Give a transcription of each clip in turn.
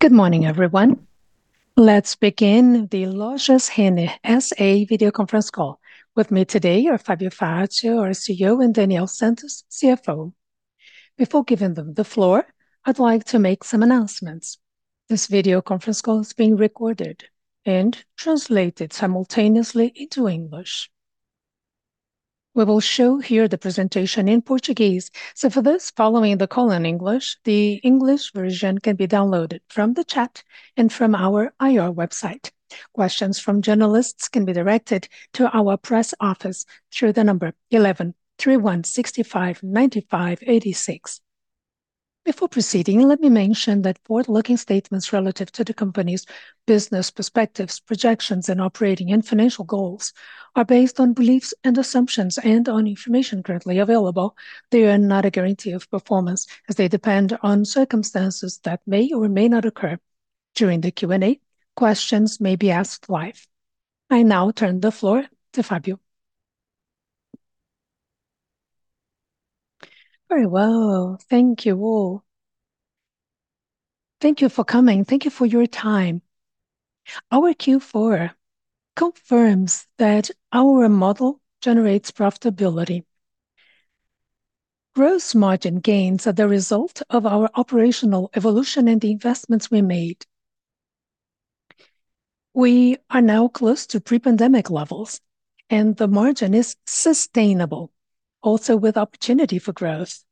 Good morning, everyone. Let's begin the Lojas Renner S.A. video conference call. With me today are Fabio Faccio, our CEO, and Daniel Martins dos Santos, CFO. Before giving them the floor, I'd like to make some announcements. This video conference call is being recorded and translated simultaneously into English. We will show here the presentation in Portuguese. For those following the call in English, the English version can be downloaded from the chat and from our IR website. Questions from journalists can be directed to our press office through the number 113-165-9586. Before proceeding, let me mention that forward-looking statements relati ve to the company's business perspectives, projections and operating and financial goals are based on beliefs and assumptions and on information currently available. They are not a guarantee of performance, as they depend on circumstances that may or may not occur. During the Q&A, questions may be asked live. I now turn the floor to Fabio. Very well. Thank you all. Thank you for coming. Thank you for your time. Our Q4 confirms that our model generates profitability. Gross margin gains are the result of our operational evolution and the investments we made. We are now close to pre-pandemic levels, and the margin is sustainable, also with opportunity for growth.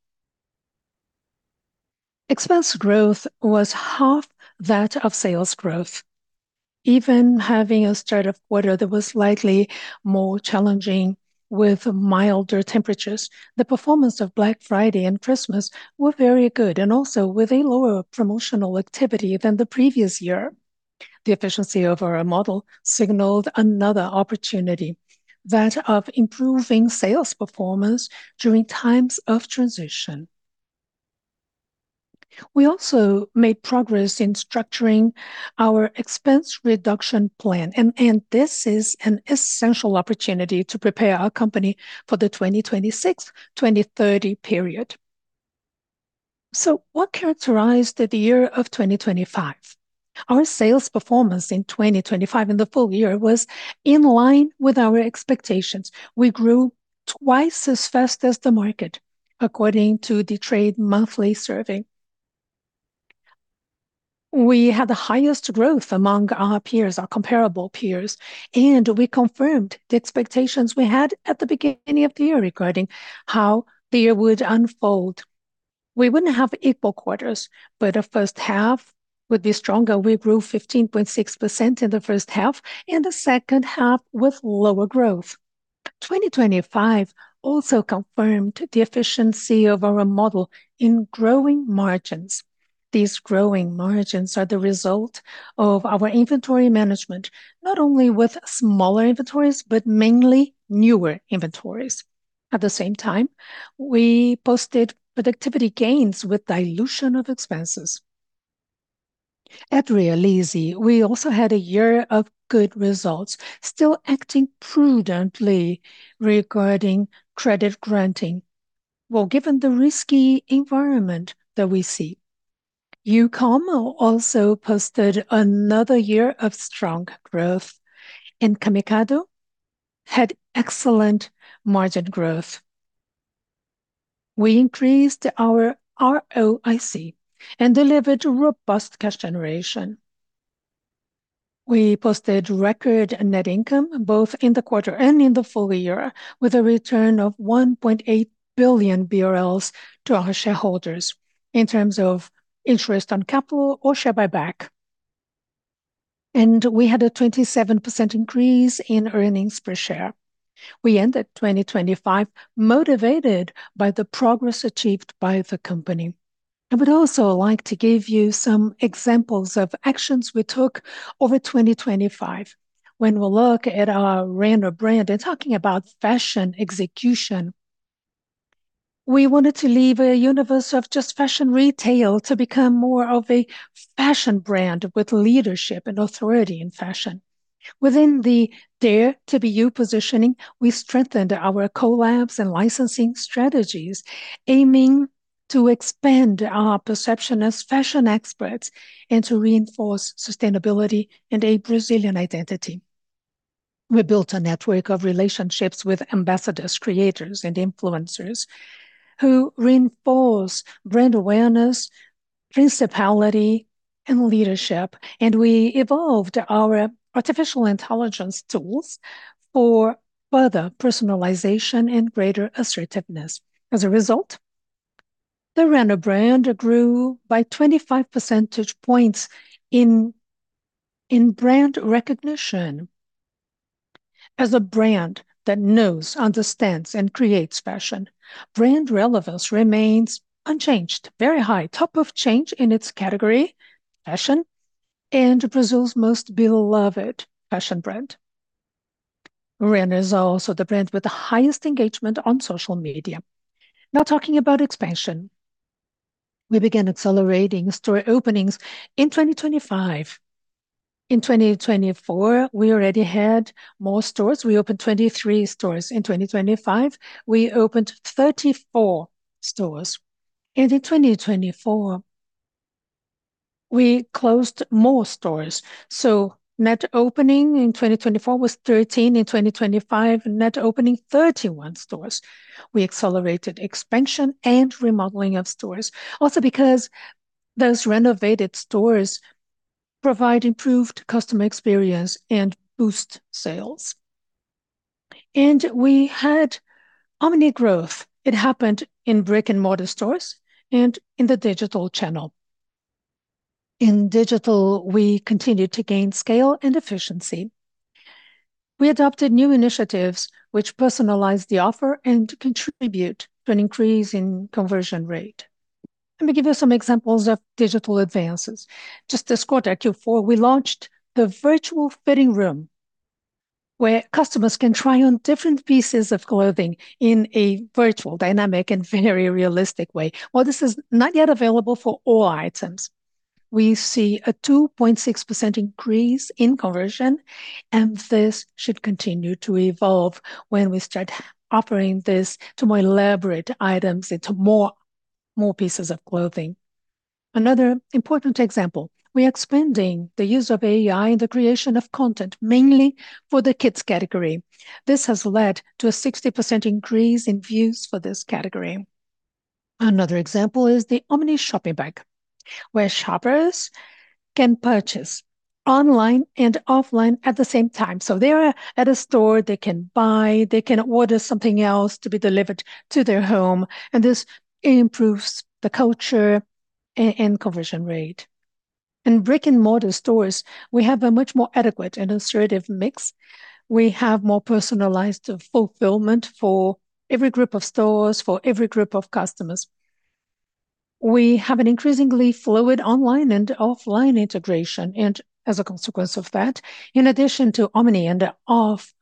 Expense growth was half that of sales growth. Even having a start of quarter that was slightly more challenging with milder temperatures, the performance of Black Friday and Christmas were very good, and also with a lower promotional activity than the previous year. The efficiency of our model signaled another opportunity, that of improving sales performance during times of transition. We also made progress in structuring our expense reduction plan, and this is an essential opportunity to prepare our company for the 2026/2030 period. What characterized the year of 2025? Our sales performance in 2025 in the full year was in line with our expectations. We grew twice as fast as the market according to the trade monthly survey. We had the highest growth among our peers, our comparable peers, and we confirmed the expectations we had at the beginning of the year regarding how the year would unfold. We wouldn't have equal quarters, but the first half would be stronger. We grew 15.6% in the first half and the second half with lower growth. 2025 also confirmed the efficiency of our model in growing margins. These growing margins are the result of our inventory management, not only with smaller inventories, but mainly newer inventories. At the same time, we posted productivity gains with dilution of expenses. At Realize, we also had a year of good results, still acting prudently regarding credit granting. Well, given the risky environment that we see. Youcom also posted another year of strong growth, and Camicado had excellent margin growth. We increased our ROIC and delivered robust cash generation. We posted record net income both in the quarter and in the full year, with a return of 1.8 billion BRL to our shareholders in terms of interest on capital or share buyback. We had a 27% increase in earnings per share. We ended 2025 motivated by the progress achieved by the company. I would also like to give you some examples of actions we took over 2025. When we look at our Renner brand and talking about fashion execution, we wanted to leave a universe of just fashion retail to become more of a fashion brand with leadership and authority in fashion. Within the Dare to Be You positioning, we strengthened our collabs and licensing strategies, aiming to expand our perception as fashion experts and to reinforce sustainability and a Brazilian identity. We built a network of relationships with ambassadors, creators and influencers who reinforce brand awareness, principality and leadership, and we evolved our artificial intelligence tools for further personalization and greater assertiveness. As a result, the Renner brand grew by 25 percentage points in brand recognition. As a brand that knows, understands and creates fashion, brand relevance remains unchanged, very high, top of change in its category, fashion, and Brazil's most beloved fashion brand. Renner is also the brand with the highest engagement on social media. Talking about expansion. We began accelerating store openings in 2025. In 2024, we already had more stores. We opened 23 stores. In 2025, we opened 34 stores. In 2024, we closed more stores. Net opening in 2024 was 13. In 2025, net opening 31 stores. We accelerated expansion and remodeling of stores. Also because those renovated stores provide improved customer experience and boost sales. We had omni growth. It happened in brick-and-mortar stores and in the digital channel. In digital, we continued to gain scale and efficiency. We adopted new initiatives which personalize the offer and contribute to an increase in conversion rate. Let me give you some examples of digital advances. Just this quarter, Q4, we launched the virtual fitting room, where customers can try on different pieces of clothing in a virtual, dynamic, and very realistic way. While this is not yet available for all items, we see a 2.6% increase in conversion, and this should continue to evolve when we start offering this to more elaborate items and to more pieces of clothing. Another important example, we are expanding the use of AI in the creation of content, mainly for the kids category. This has led to a 60% increase in views for this category. Another example is the omni shopping bag, where shoppers can purchase online and offline at the same time. They are at a store, they can buy, they can order something else to be delivered to their home, and this improves the culture and conversion rate. In brick-and-mortar stores, we have a much more adequate and assertive mix. We have more personalized fulfillment for every group of stores, for every group of customers. We have an increasingly fluid online and offline integration, and as a consequence of that, in addition to omni and of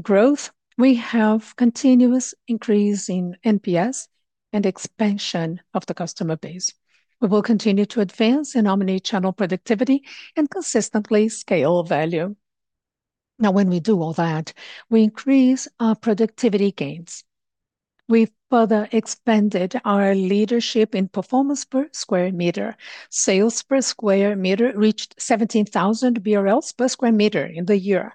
growth, we have continuous increase in NPS and expansion of the customer base. We will continue to advance in omni channel productivity and consistently scale value. When we do all that, we increase our productivity gains. We've further expanded our leadership in performance per square meter. Sales per square meter reached 17,000 BRL/sq m in the year.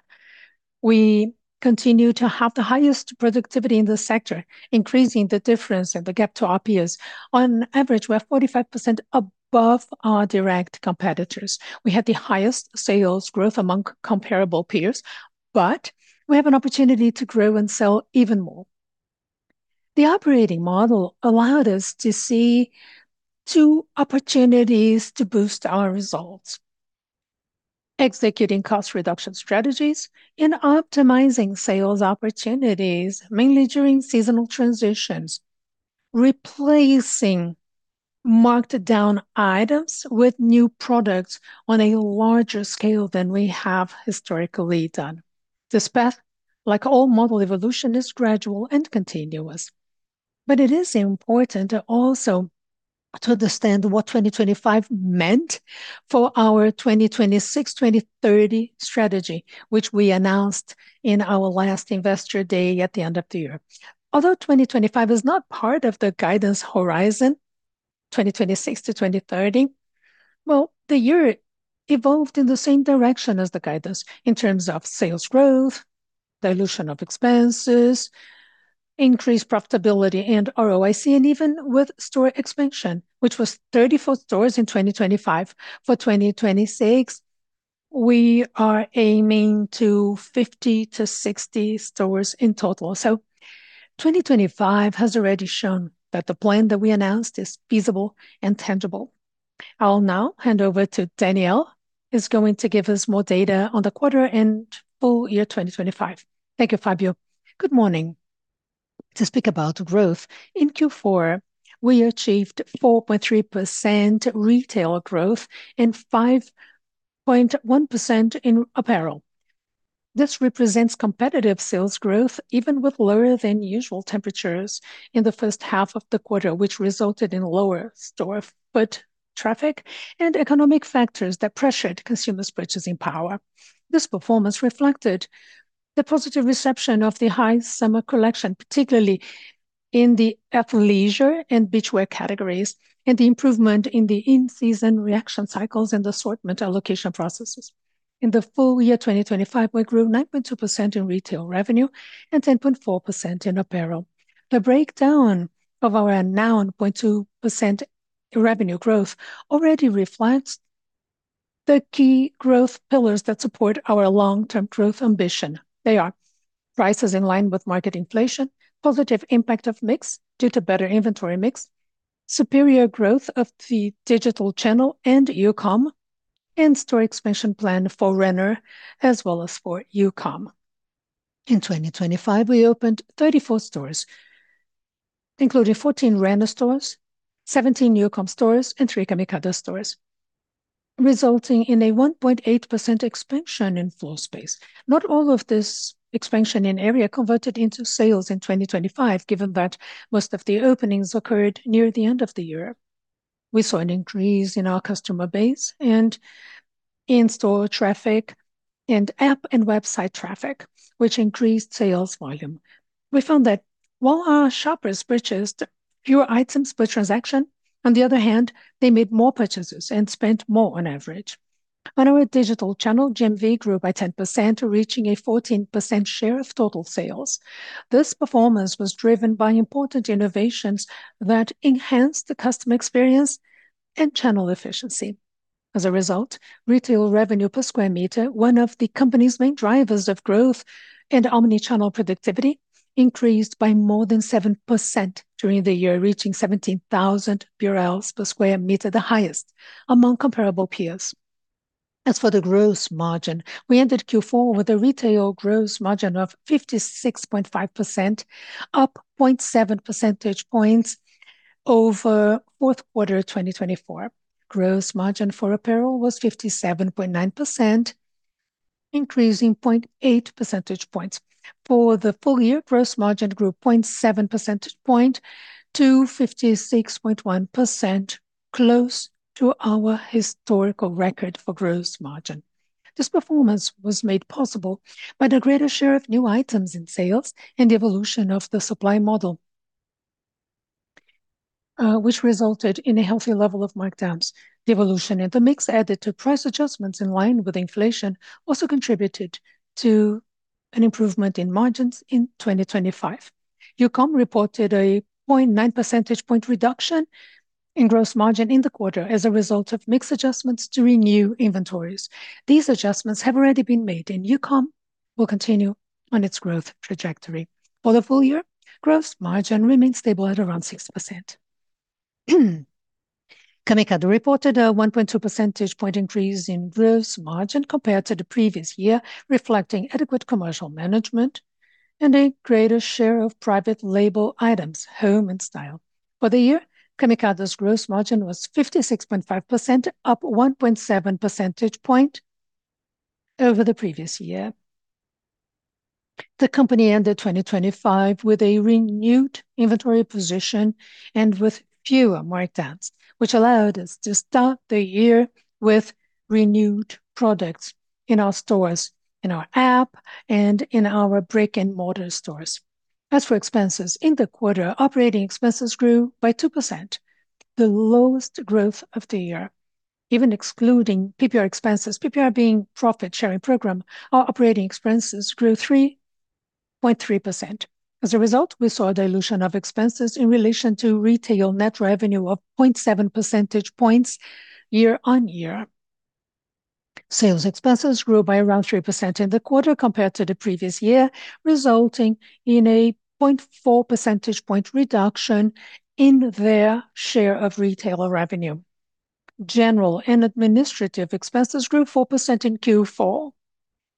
We continue to have the highest productivity in the sector, increasing the difference and the gap to our peers. On average, we are 45% above our direct competitors. We have the highest sales growth among comparable peers, but we have an opportunity to grow and sell even more. The operating model allowed us to see two opportunities to boost our results. Executing cost reduction strategies and optimizing sales opportunities, mainly during seasonal transitions. Replacing marked down items with new products on a larger scale than we have historically done. This path, like all model evolution, is gradual and continuous. It is important also to understand what 2025 meant for our 2026/2030 strategy, which we announced in our last investor day at the end of the year. Although 2025 is not part of the guidance horizon, 2026/2030, well, the year evolved in the same direction as the guidance in terms of sales growth, dilution of expenses, increased profitability, and ROIC, even with store expansion, which was 34 stores in 2025. For 2026, we are aiming to 50-60 stores in total. 2025 has already shown that the plan that we announced is feasible and tangible. I'll now hand over to Daniel, who's going to give us more data on the quarter and full year 2025. Thank you, Fabio. Good morning. To speak about growth, in Q4, we achieved 4.3% retail growth and 5.1% in apparel. This represents competitive sales growth even with lower than usual temperatures in the first half of the quarter, which resulted in lower store foot traffic and economic factors that pressured consumers' purchasing power. This performance reflected the positive reception of the high summer collection, particularly in the athleisure and beachwear categories, and the improvement in the in-season reaction cycles and assortment allocation processes. In the full year 2025, we grew 9.2% in retail revenue and 10.4% in apparel. The breakdown of our announced 0.2% revenue growth already reflects the key growth pillars that support our long-term growth ambition. They are prices in line with market inflation, positive impact of mix due to better inventory mix, superior growth of the digital channel and Youcom, and store expansion plan for Renner as well as for Youcom. In 2025, we opened 34 stores, including 14 Renner stores, 17 Youcom stores, and 3 Camicado stores, resulting in a 1.8% expansion in floor space. Not all of this expansion in area converted into sales in 2025, given that most of the openings occurred near the end of the year. We saw an increase in our customer base and in-store traffic and app and website traffic, which increased sales volume. We found that while our shoppers purchased fewer items per transaction, on the other hand, they made more purchases and spent more on average. On our digital channel, GMV grew by 10%, reaching a 14% share of total sales. This performance was driven by important innovations that enhanced the customer experience and channel efficiency. As a result, retail revenue per square meter, one of the company's main drivers of growth and omni-channel productivity, increased by more than 7% during the year, reaching 17,000 BRL/sq m, the highest among comparable peers. As for the gross margin, we ended Q4 with a retail gross margin of 56.5%, up 0.7 percentage points over fourth quarter of 2024. Gross margin for apparel was 57.9%, increasing 0.8 percentage points. For the full year, gross margin grew 0.7 percentage point to 56.1%, close to our historical record for gross margin. This performance was made possible by the greater share of new items in sales and the evolution of the supply model, which resulted in a healthy level of markdowns. The evolution in the mix added to price adjustments in line with inflation also contributed to an improvement in margins in 2025. Youcom reported a 0.9 percentage point reduction in gross margin in the quarter as a result of mix adjustments to renew inventories. These adjustments have already been made, and Youcom will continue on its growth trajectory. For the full year, gross margin remained stable at around 6%. Camicado reported a 1.2 percentage point increase in gross margin compared to the previous year, reflecting adequate commercial management and a greater share of private label items, Home and Style. For the year, Camicado's gross margin was 56.5%, up 1.7 percentage point over the previous year. The company ended 2025 with a renewed inventory position and with fewer markdowns, which allowed us to start the year with renewed products in our stores, in our app, and in our brick-and-mortar stores. As for expenses, in the quarter, operating expenses grew by 2%, the lowest growth of the year. Even excluding PPR expenses, PPR being profit sharing program, our operating expenses grew 3.3%. A result, we saw a dilution of expenses in relation to retail net revenue of 0.7 percentage points year-on-year. Sales expenses grew by around 3% in the quarter compared to the previous year, resulting in a 0.4 percentage point reduction in their share of retailer revenue. General and administrative expenses grew 4% in Q4,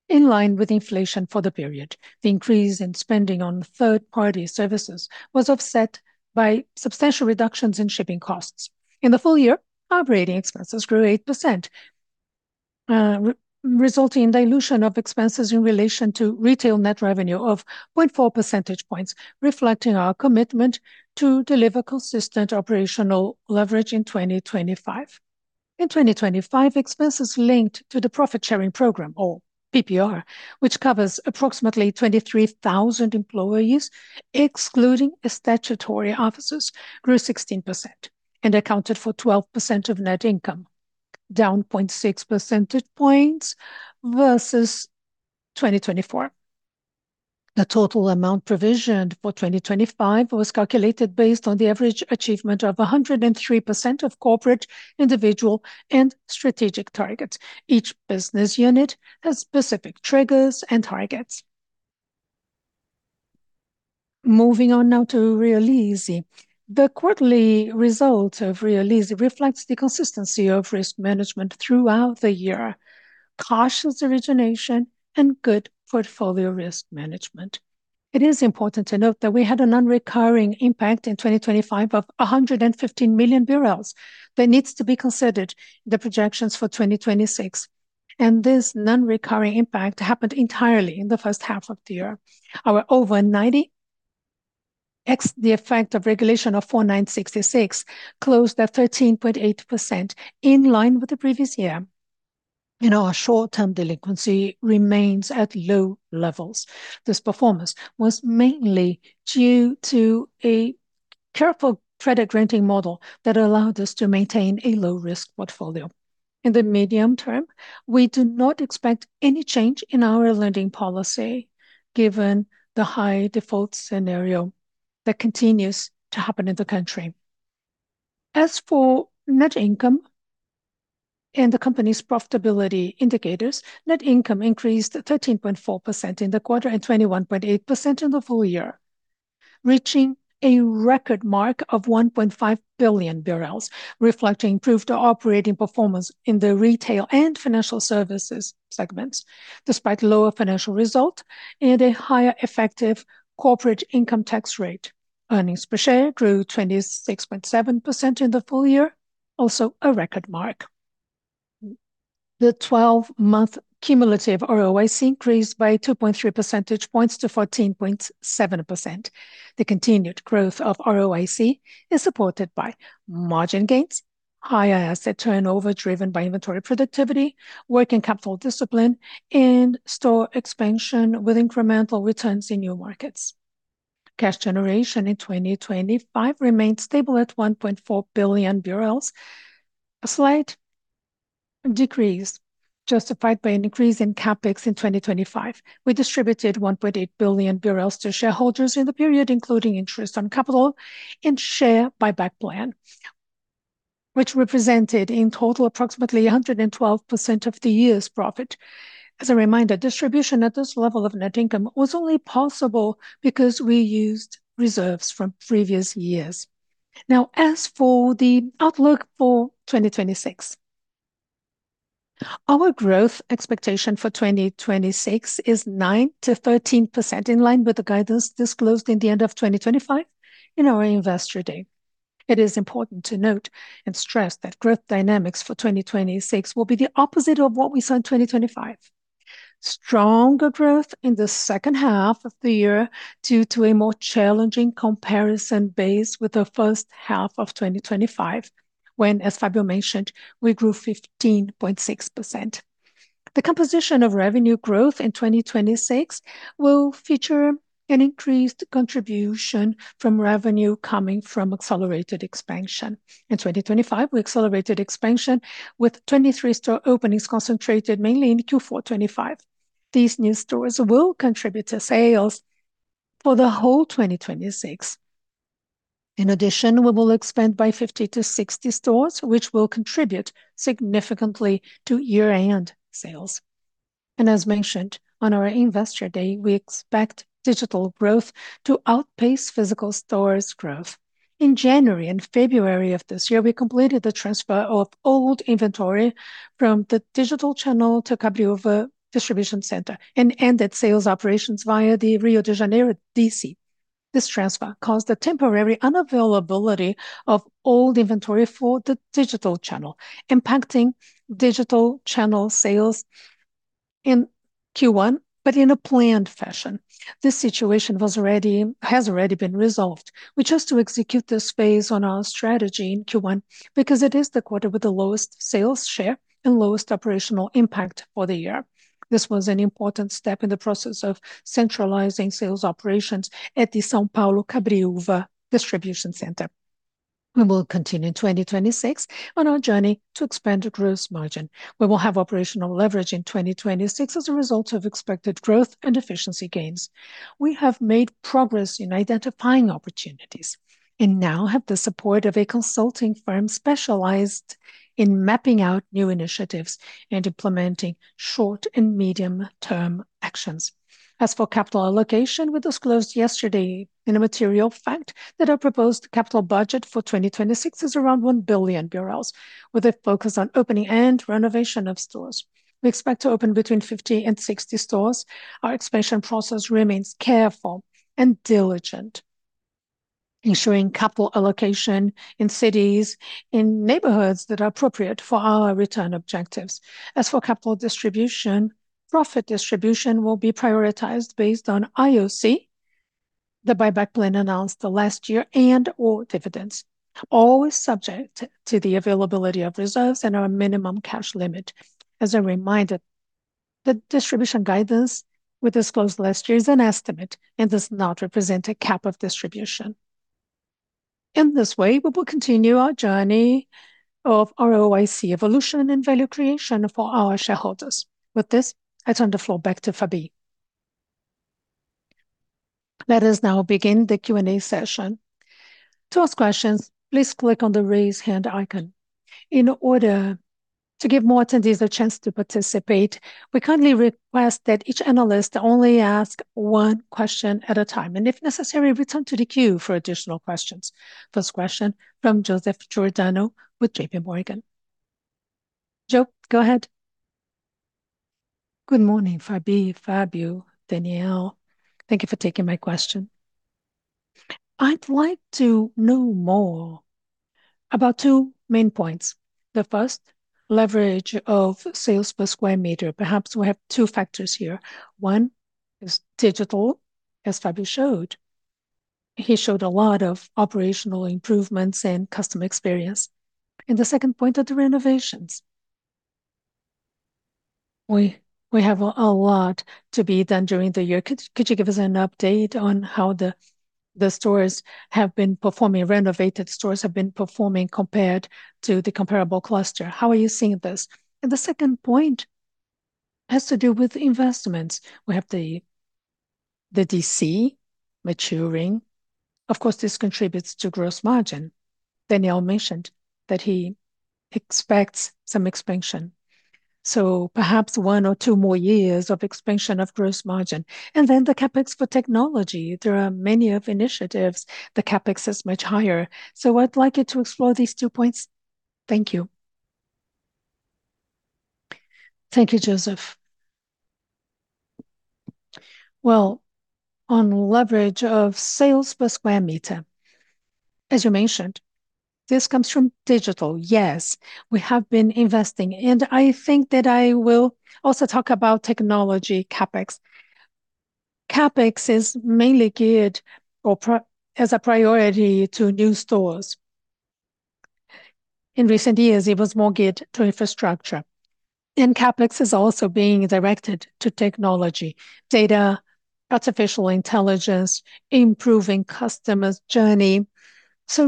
in line with inflation for the period. The increase in spending on third-party services was offset by substantial reductions in shipping costs. In the full year, operating expenses grew 8%, resulting in dilution of expenses in relation to retail net revenue of 0.4 percentage points, reflecting our commitment to deliver consistent operational leverage in 2025. In 2025, expenses linked to the profit-sharing program or PPR, which covers approximately 23,000 employees, excluding statutory officers, grew 16% and accounted for 12% of net income, down 0.6 percentage points versus 2024. The total amount provisioned for 2025 was calculated based on the average achievement of 103% of corporate, individual, and strategic targets. Each business unit has specific triggers and targets. Moving on now to Realize. The quarterly result of Realize reflects the consistency of risk management throughout the year, cautious origination, and good portfolio risk management. It is important to note that we had a non-recurring impact in 2025 of 115 million BRL that needs to be considered in the projections for 2026. This non-recurring impact happened entirely in the first half of the year. Our over 90x the effect of Resolution 4,966 closed at 13.8% in line with the previous year. Our short-term delinquency remains at low levels. This performance was mainly due to a careful credit granting model that allowed us to maintain a low-risk portfolio. In the medium term, we do not expect any change in our lending policy given the high default scenario that continues to happen in the country. As for net income and the company's profitability indicators, net income increased 13.4% in the quarter and 21.8% in the full year, reaching a record mark of 1.5 billion, reflecting improved operating performance in the retail and financial services segments despite lower financial result and a higher effective corporate income tax rate. Earnings per share grew 26.7% in the full year, also a record mark. The 12-month cumulative ROIC increased by 2.3 percentage points to 14.7%. The continued growth of ROIC is supported by margin gains, higher asset turnover driven by inventory productivity, working capital discipline, and store expansion with incremental returns in new markets. Cash generation in 2025 remained stable at 1.4 billion. A slight decrease justified by an increase in CapEx in 2025. We distributed 1.8 billion BRL to shareholders in the period, including Interest on Capital and share buyback plan, which represented in total approximately 112% of the year's profit. As a reminder, distribution at this level of net income was only possible because we used reserves from previous years. As for the outlook for 2026. Our growth expectation for 2026 is 9%-13%, in line with the guidance disclosed in the end of 2025 in our Investor Day. It is important to note and stress that growth dynamics for 2026 will be the opposite of what we saw in 2025. Stronger growth in the second half of the year due to a more challenging comparison base with the first half of 2025, when, as Fabio mentioned, we grew 15.6%. The composition of revenue growth in 2026 will feature an increased contribution from revenue coming from accelerated expansion. In 2025, we accelerated expansion with 23 store openings concentrated mainly in Q4 2025. These new stores will contribute to sales for the whole 2026. In addition, we will expand by 50-60 stores, which will contribute significantly to year-end sales. As mentioned on our Investor Day, we expect digital growth to outpace physical stores growth. In January and February of this year, we completed the transfer of old inventory from the digital channel to Cabreúva Distribution Center and ended sales operations via the Rio de Janeiro DC. This transfer caused a temporary unavailability of old inventory for the digital channel, impacting digital channel sales in Q1, but in a planned fashion. This situation has already been resolved. We chose to execute this phase on our strategy in Q1 because it is the quarter with the lowest sales share and lowest operational impact for the year. This was an important step in the process of centralizing sales operations at the São Paulo Cabreúva Distribution Center. We will continue in 2026 on our journey to expand the gross margin. We will have operational leverage in 2026 as a result of expected growth and efficiency gains. We have made progress in identifying opportunities and now have the support of a consulting firm specialized in mapping out new initiatives and implementing short and medium-term actions. As for capital allocation, we disclosed yesterday in a material fact that our proposed capital budget for 2026 is around 1 billion BRL, with a focus on opening and renovation of stores. We expect to open between 50 and 60 stores. Our expansion process remains careful and diligent, ensuring capital allocation in cities, in neighborhoods that are appropriate for our return objectives. As for capital distribution, profit distribution will be prioritized based on IOC, the buyback plan announced the last year, and/or dividends, all subject to the availability of reserves and our minimum cash limit. As a reminder, the distribution guidance we disclosed last year is an estimate and does not represent a cap of distribution. In this way, we will continue our journey of ROIC evolution and value creation for our shareholders. With this, I turn the floor back to Fabi. Let us now begin the Q&A session. To ask questions, please click on the Raise Hand icon. In order to give more attendees a chance to participate, we kindly request that each analyst only ask one question at a time, and if necessary, return to the queue for additional questions. First question from Joseph Giordano with JPMorgan. Joe, go ahead. Good morning, Fabi, Fabio, Daniel. Thank you for taking my question. I'd like to know more about two main points. The first, leverage of sales per square meter. Perhaps we have two factors here. One is digital, as Fabio showed. He showed a lot of operational improvements and customer experience. The second point are the renovations. We have a lot to be done during the year. Could you give us an update on how the stores have been performing, renovated stores have been performing compared to the comparable cluster? How are you seeing this? The second point has to do with investments. We have the DC maturing. Of course, this contributes to gross margin. Daniel mentioned that he expects some expansion. Perhaps one or two more years of expansion of gross margin. The CapEx for technology. There are many initiatives. The CapEx is much higher. I'd like you to explore these 2 points. Thank you. Thank you, Joseph. On leverage of sales per square meter, as you mentioned, this comes from digital. Yes. We have been investing, and I think that I will also talk about technology CapEx. CapEx is mainly geared as a priority to new stores. In recent years, it was more geared to infrastructure. CapEx is also being directed to technology, data, artificial intelligence, improving customers' journey.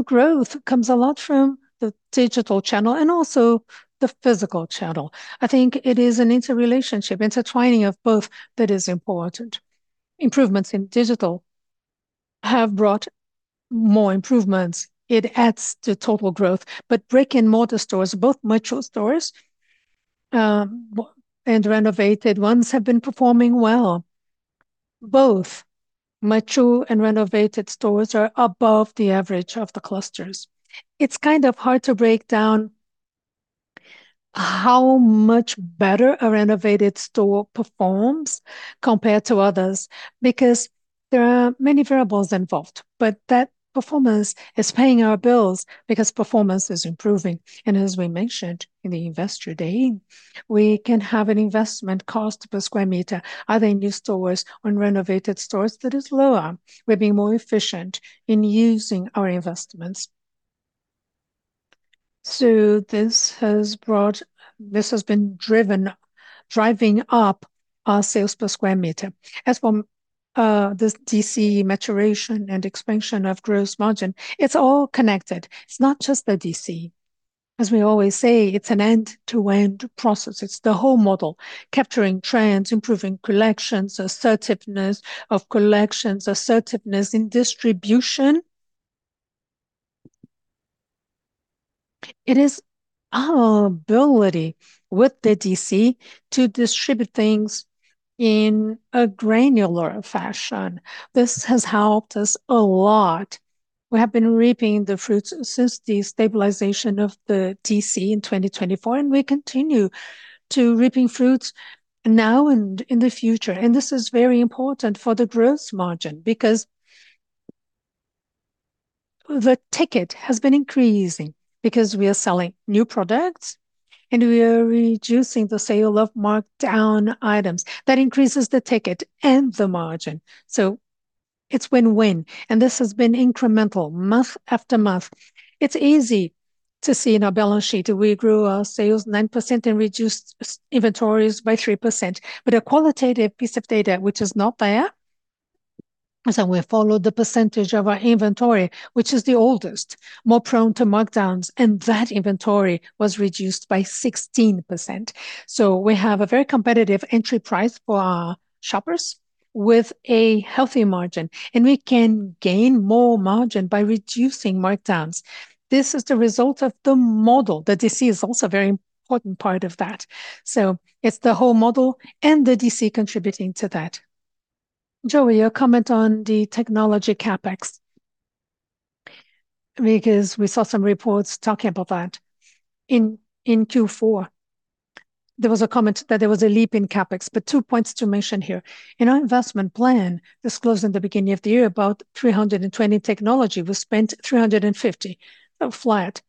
Growth comes a lot from the digital channel and also the physical channel. I think it is an interrelationship, intertwining of both that is important. Improvements in digital have brought more improvements. It adds to total growth. Brick-and-mortar stores, both mature stores and renovated ones have been performing well. Both mature and renovated stores are above the average of the clusters. It's kind of hard to break down how much better a renovated store performs compared to others because there are many variables involved, but that performance is paying our bills because performance is improving. As we mentioned in the Investor Day, we can have an investment cost per square meter, adding new stores or renovated stores that is lower. We're being more efficient in using our investments. This has been driven, driving up our sales per square meter. As for this DC maturation and expansion of gross margin, it's all connected. It's not just the DC. As we always say, it's an end-to-end process. It's the whole model. Capturing trends, improving collections, assertiveness of collections, assertiveness in distribution. It is our ability with the DC to distribute things in a granular fashion. This has helped us a lot. We have been reaping the fruits since the stabilization of the DC in 2024, and we continue to reaping fruits now and in the future. This is very important for the gross margin because the ticket has been increasing because we are selling new products, and we are reducing the sale of marked-down items. That increases the ticket and the margin, so it's win-win. This has been incremental, month after month. It's easy to see in our balance sheet we grew our sales 9% and reduced inventories by 3%. A qualitative piece of data, which is not there, is that we followed the percentage of our inventory, which is the oldest, more prone to markdowns, and that inventory was reduced by 16%. We have a very competitive entry price for our shoppers with a healthy margin, and we can gain more margin by reducing markdowns. This is the result of the model. The DC is also a very important part of that. It's the whole model and the DC contributing to that. Joe, your comment on the technology CapEx. We saw some reports talking about that. In Q4, there was a comment that there was a leap in CapEx, two points to mention here. In our investment plan disclosed in the beginning of the year, about 320 technology. We spent 350. Flat.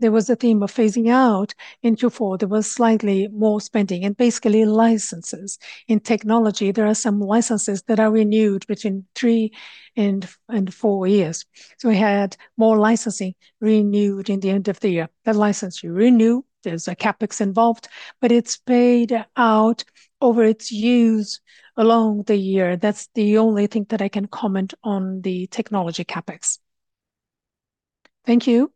There was a theme of phasing out. In Q4, there was slightly more spending and basically licenses. In technology, there are some licenses that are renewed between three and four years, so we had more licensing renewed in the end of the year. That license you renew, there's a CapEx involved, but it's paid out over its use along the year. That's the only thing that I can comment on the technology CapEx. Thank you.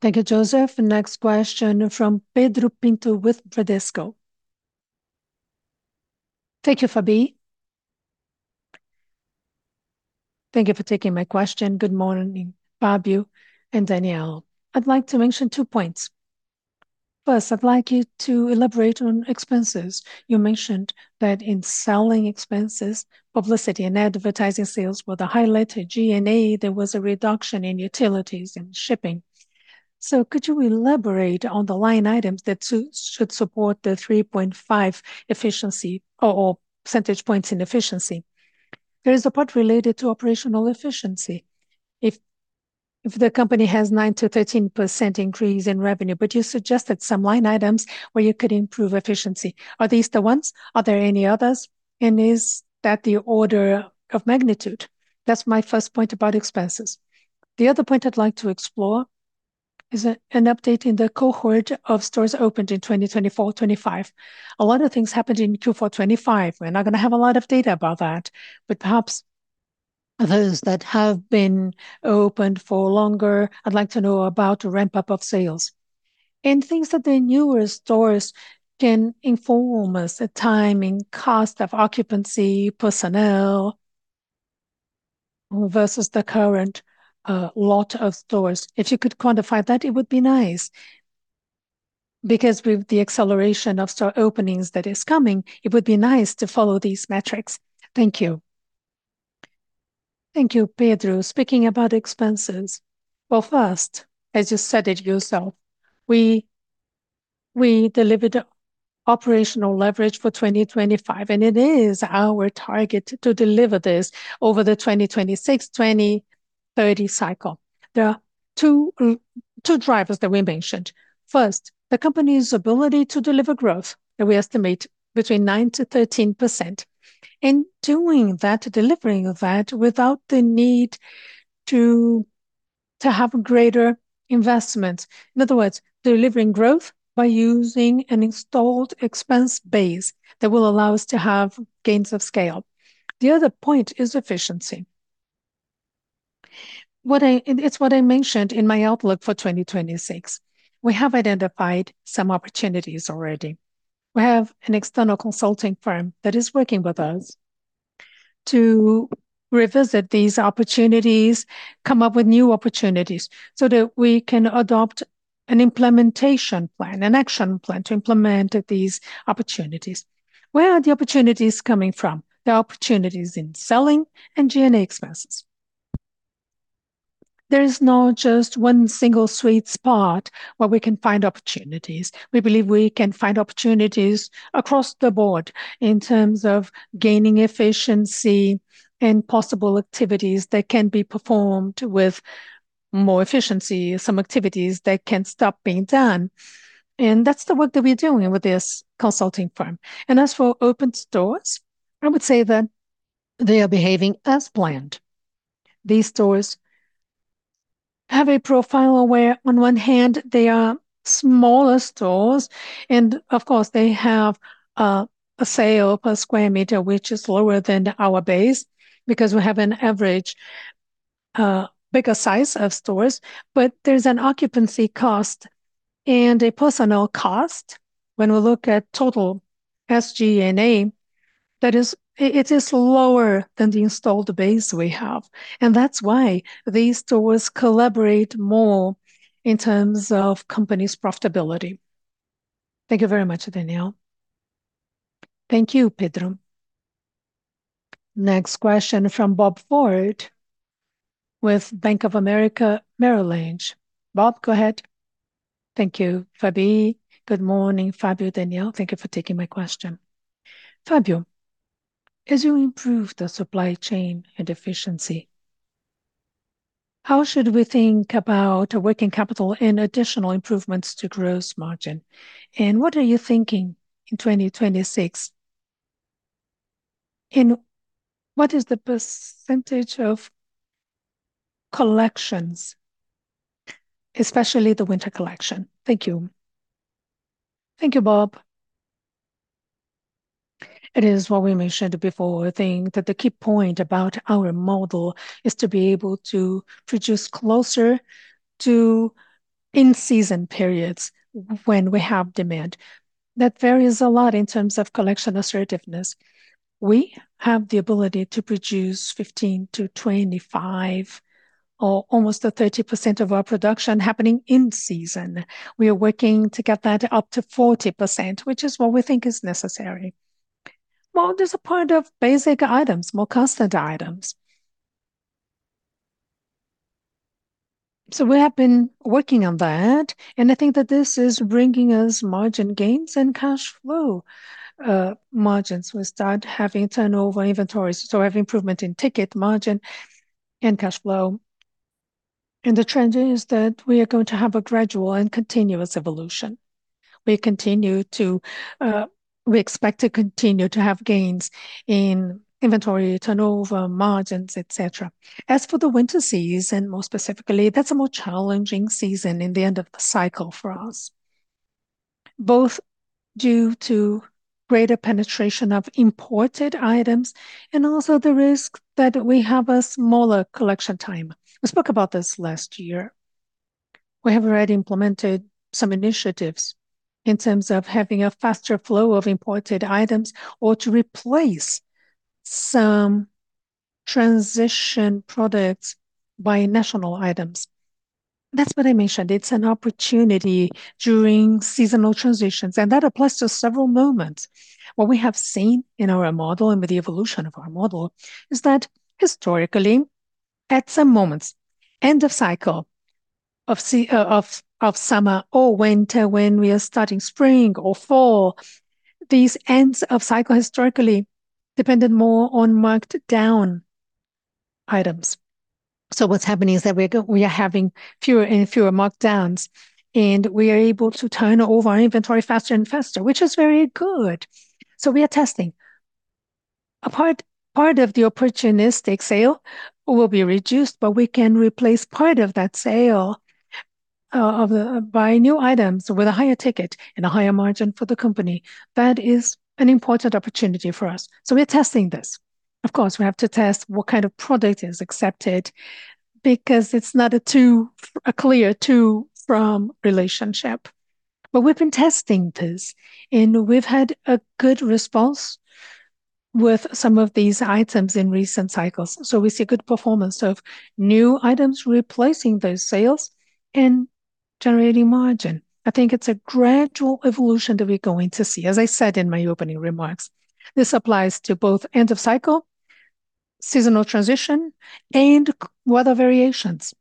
Thank you, Joseph. Next question from Pedro Pinto with Bradesco. Thank you, Fabi. Thank you for taking my question. Good morning Fabio and Daniel. I'd like to mention two points. First, I'd like you to elaborate on expenses. You mentioned that in selling expenses, publicity and advertising sales were the highlight. At G&A, there was a reduction in utilities and shipping. Could you elaborate on the line items that should support the 3.5 efficiency or percentage points in efficiency? There is a part related to operational efficiency. If the company has 9%-13% increase in revenue, but you suggested some line items where you could improve efficiency. Are these the ones? Are there any others? Is that the order of magnitude? That's my first point about expenses. The other point I'd like to explore is an update in the cohort of stores opened in 2024/2025. A lot of things happened in Q4 2025. We're not gonna have a lot of data about that, but perhaps those that have been opened for longer, I'd like to know about a ramp-up of sales. Things that the newer stores can inform us, the timing, cost of occupancy, personnel versus the current lot of stores. If you could quantify that, it would be nice. With the acceleration of store openings that is coming, it would be nice to follow these metrics. Thank you. Thank you, Pedro. Speaking about expenses, well, first, as you said it yourself, we delivered operational leverage for 2025, and it is our target to deliver this over the 2026/2030 cycle. There are two drivers that we mentioned. First, the company's ability to deliver growth that we estimate between 9%-13%. In doing that, delivering that without the need to have greater investment. In other words, delivering growth by using an installed expense base that will allow us to have gains of scale. The other point is efficiency. It's what I mentioned in my outlook for 2026. We have identified some opportunities already. We have an external consulting firm that is working with us to revisit these opportunities, come up with new opportunities so that we can adopt an implementation plan, an action plan to implement these opportunities. Where are the opportunities coming from? There are opportunities in selling and G&A expenses. There is not just one single sweet spot where we can find opportunities. We believe we can find opportunities across the board in terms of gaining efficiency and possible activities that can be performed with more efficiency, some activities that can stop being done, and that's the work that we're doing with this consulting firm. As for open stores, I would say that they are behaving as planned. These stores have a profile where on one hand they are smaller stores, and of course, they have a sale per square meter, which is lower than our base because we have an average bigger size of stores. There's an occupancy cost and a personal cost when we look at total SG&A that it is lower than the installed base we have. That's why these stores collaborate more in terms of company's profitability. Thank you very much, Daniel. Thank you, Pedro. Next question from Bob Ford with Bank of America Merrill Lynch. Bob, go ahead. Thank you, Fabi. Good morning, Fabio, Daniel. Thank you for taking my question. Fabio, as you improve the supply chain and efficiency, how should we think about working capital and additional improvements to gross margin? What are you thinking in 2026? What is the percentage of collections, especially the winter collection? Thank you. Thank you, Bob. It is what we mentioned before. I think that the key point about our model is to be able to produce closer to in-season periods when we have demand. That varies a lot in terms of collection assertiveness. We have the ability to produce 15%-25% or almost a 30% of our production happening in season. We are working to get that up to 40%, which is what we think is necessary. Well, there's a point of basic items, more constant items. We have been working on that, and I think that this is bringing us margin gains and cash flow, margins. We start having turnover inventories, so have improvement in ticket margin and cash flow. The trend is that we are going to have a gradual and continuous evolution. We expect to continue to have gains in inventory turnover, margins, et cetera. As for the winter season, more specifically, that's a more challenging season in the end of the cycle for us, both due to greater penetration of imported items and also the risk that we have a smaller collection time. We spoke about this last year. We have already implemented some initiatives in terms of having a faster flow of imported items or to replace some transition products by national items. That's what I mentioned. It's an opportunity during seasonal transitions, and that applies to several moments. What we have seen in our model and with the evolution of our model is that historically, at some moments, end of cycle of summer or winter, when we are starting spring or fall, these ends of cycle historically depended more on marked down items. What's happening is that we are having fewer and fewer markdowns, and we are able to turn over our inventory faster and faster, which is very good. We are testing. A part of the opportunistic sale will be reduced, but we can replace part of that sale, of the... by new items with a higher ticket and a higher margin for the company. That is an important opportunity for us, we're testing this. Of course, we have to test what kind of product is accepted because it's not a clear to-from relationship. We've been testing this, and we've had a good response with some of these items in recent cycles. We see good performance of new items replacing those sales and generating margin. I think it's a gradual evolution that we're going to see. As I said in my opening remarks, this applies to both end of cycle, seasonal transition, and weather variations.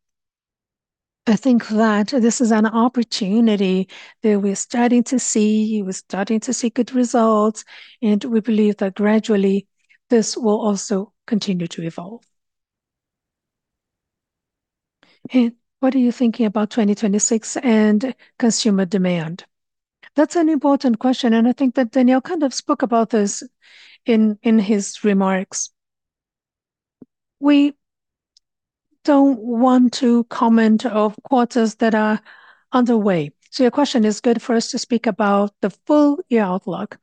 I think that this is an opportunity that we're starting to see, we're starting to see good results, and we believe that gradually this will also continue to evolve. What are you thinking about 2026 and consumer demand? That's an important question, and I think that Daniel kind of spoke about this in his remarks. We don't want to comment of quarters that are underway. Your question is good for us to speak about the full year outlook.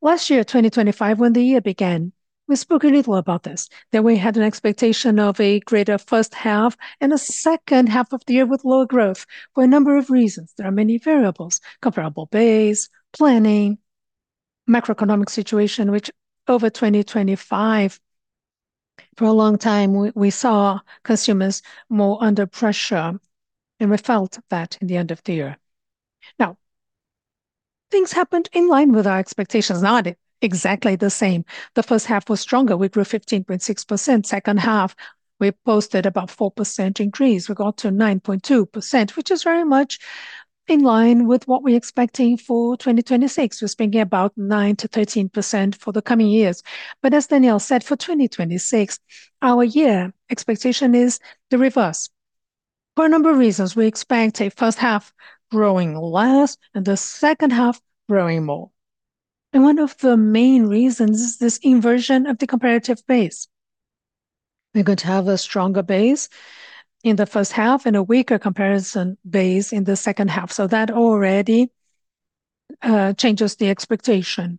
Last year, 2025, when the year began, we spoke a little about this, that we had an expectation of a greater first half and a second half of the year with low growth for a number of reasons. There are many variables, comparable base, planning, macroeconomic situation which over 2025, for a long time we saw consumers more under pressure, and we felt that in the end of the year. Things happened in line with our expectations, not exactly the same. The first half was stronger. We grew 15.6%. Second half, we posted about 4% increase. We got to 9.2%, which is very much in line with what we're expecting for 2026. We're thinking about 9%-13% for the coming years. As Daniel said, for 2026, our year expectation is the reverse. For a number of reasons, we expect a first half growing less and the second half growing more. One of the main reasons is this inversion of the comparative base. We're going to have a stronger base in the first half and a weaker comparison base in the second half. That already changes the expectation.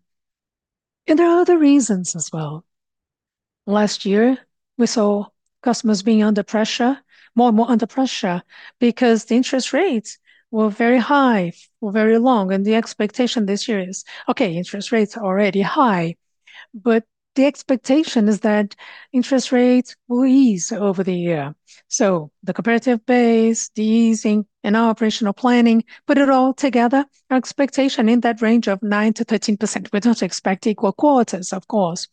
There are other reasons as well. Last year, we saw customers being under pressure, more and more under pressure because the interest rates were very high for very long, and the expectation this year is, okay, interest rates are already high, but the expectation is that interest rates will ease over the year. The comparative base, the easing in our operational planning, put it all together, our expectation in that range of 9%-13%. We don't expect equal quarters, of course.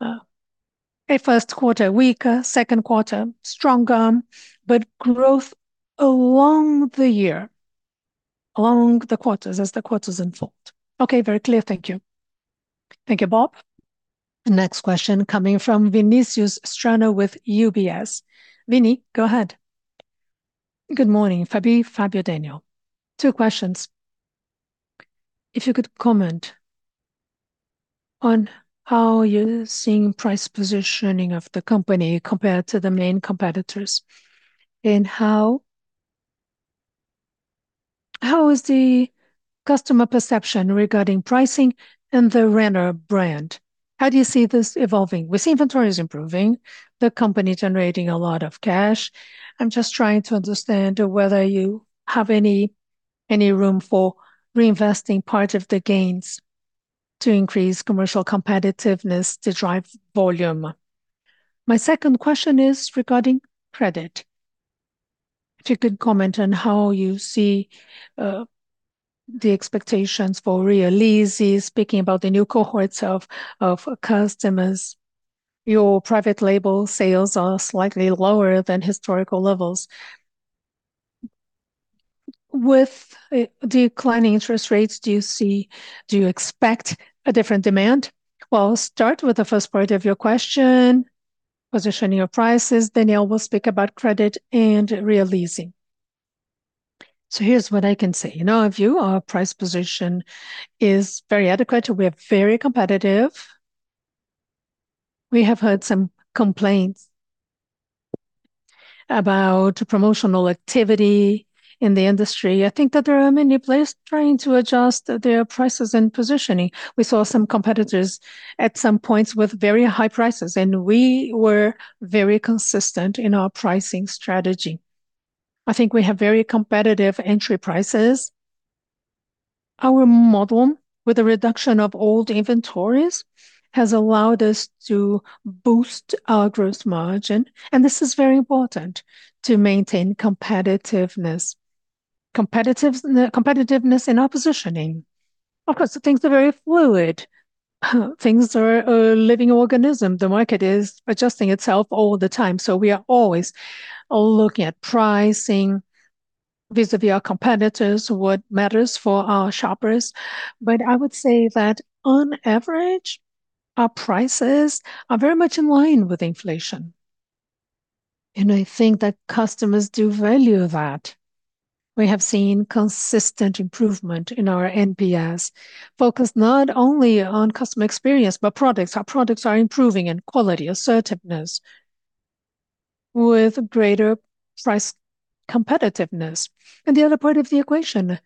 A first quarter weaker, second quarter stronger, but growth along the year, along the quarters as the quarters unfold. Okay, very clear. Thank you. Thank you, Bob. The next question coming from Vinicius Strano with UBS. Vini, go ahead. Good morning, Fabi, Fabio, Daniel. Two questions. If you could comment on how you're seeing price positioning of the company compared to the main competitors, and how is the customer perception regarding pricing and the Renner brand? How do you see this evolving? We see inventory is improving, the company generating a lot of cash. I'm just trying to understand whether you have any room for reinvesting part of the gains to increase commercial competitiveness to drive volume. My second question is regarding credit. If you could comment on how you see the expectations for releasing, speaking about the new cohorts of customers. Your private label sales are slightly lower than historical levels. With declining interest rates, do you expect a different demand? Well, I'll start with the first part of your question, positioning of prices. Daniel will speak about credit and releasing. Here's what I can say. In our view, our price position is very adequate. We are very competitive. We have heard some complaints about promotional activity in the industry. I think that there are many players trying to adjust their prices and positioning. We saw some competitors at some points with very high prices, and we were very consistent in our pricing strategy. I think we have very competitive entry prices. Our model with a reduction of old inventories has allowed us to boost our gross margin, and this is very important to maintain competitiveness in our positioning. Of course, things are very fluid. Things are a living organism. The market is adjusting itself all the time. We are always looking at pricing vis-à-vis our competitors, what matters for our shoppers. I would say that on average, our prices are very much in line with inflation, and I think that customers do value that. We have seen consistent improvement in our NPS, focused not only on customer experience, but products. Our products are improving in quality, assertiveness, with greater price competitiveness. The other part of the equation,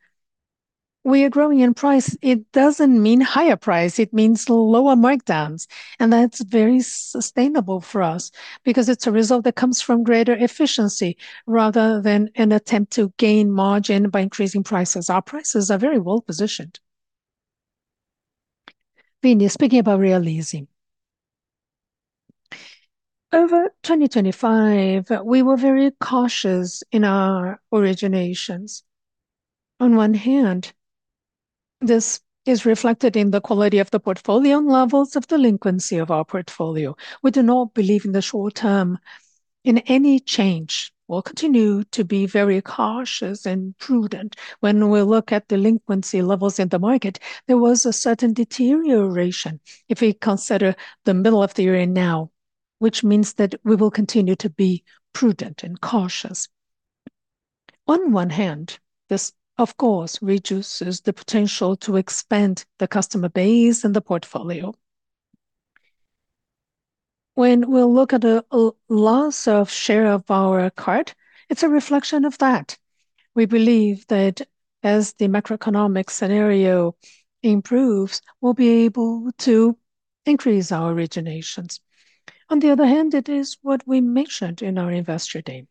we are growing in price. It doesn't mean higher price. It means lower markdowns, and that's very sustainable for us because it's a result that comes from greater efficiency rather than an attempt to gain margin by increasing prices. Our prices are very well-positioned. Vini, speaking about releasing over 2025, we were very cautious in our originations. On one hand, this is reflected in the quality of the portfolio and levels of delinquency of our portfolio. We do not believe in the short term in any change. We'll continue to be very cautious and prudent when we look at delinquency levels in the market. There was a certain deterioration if we consider the middle of the year and now, which means that we will continue to be prudent and cautious. On one hand, this of course reduces the potential to expand the customer base and the portfolio. When we'll look at a loss of share of our card, it's a reflection of that. We believe that as the macroeconomic scenario improves, we'll be able to increase our originations. On the other hand, it is what we mentioned in our investor day,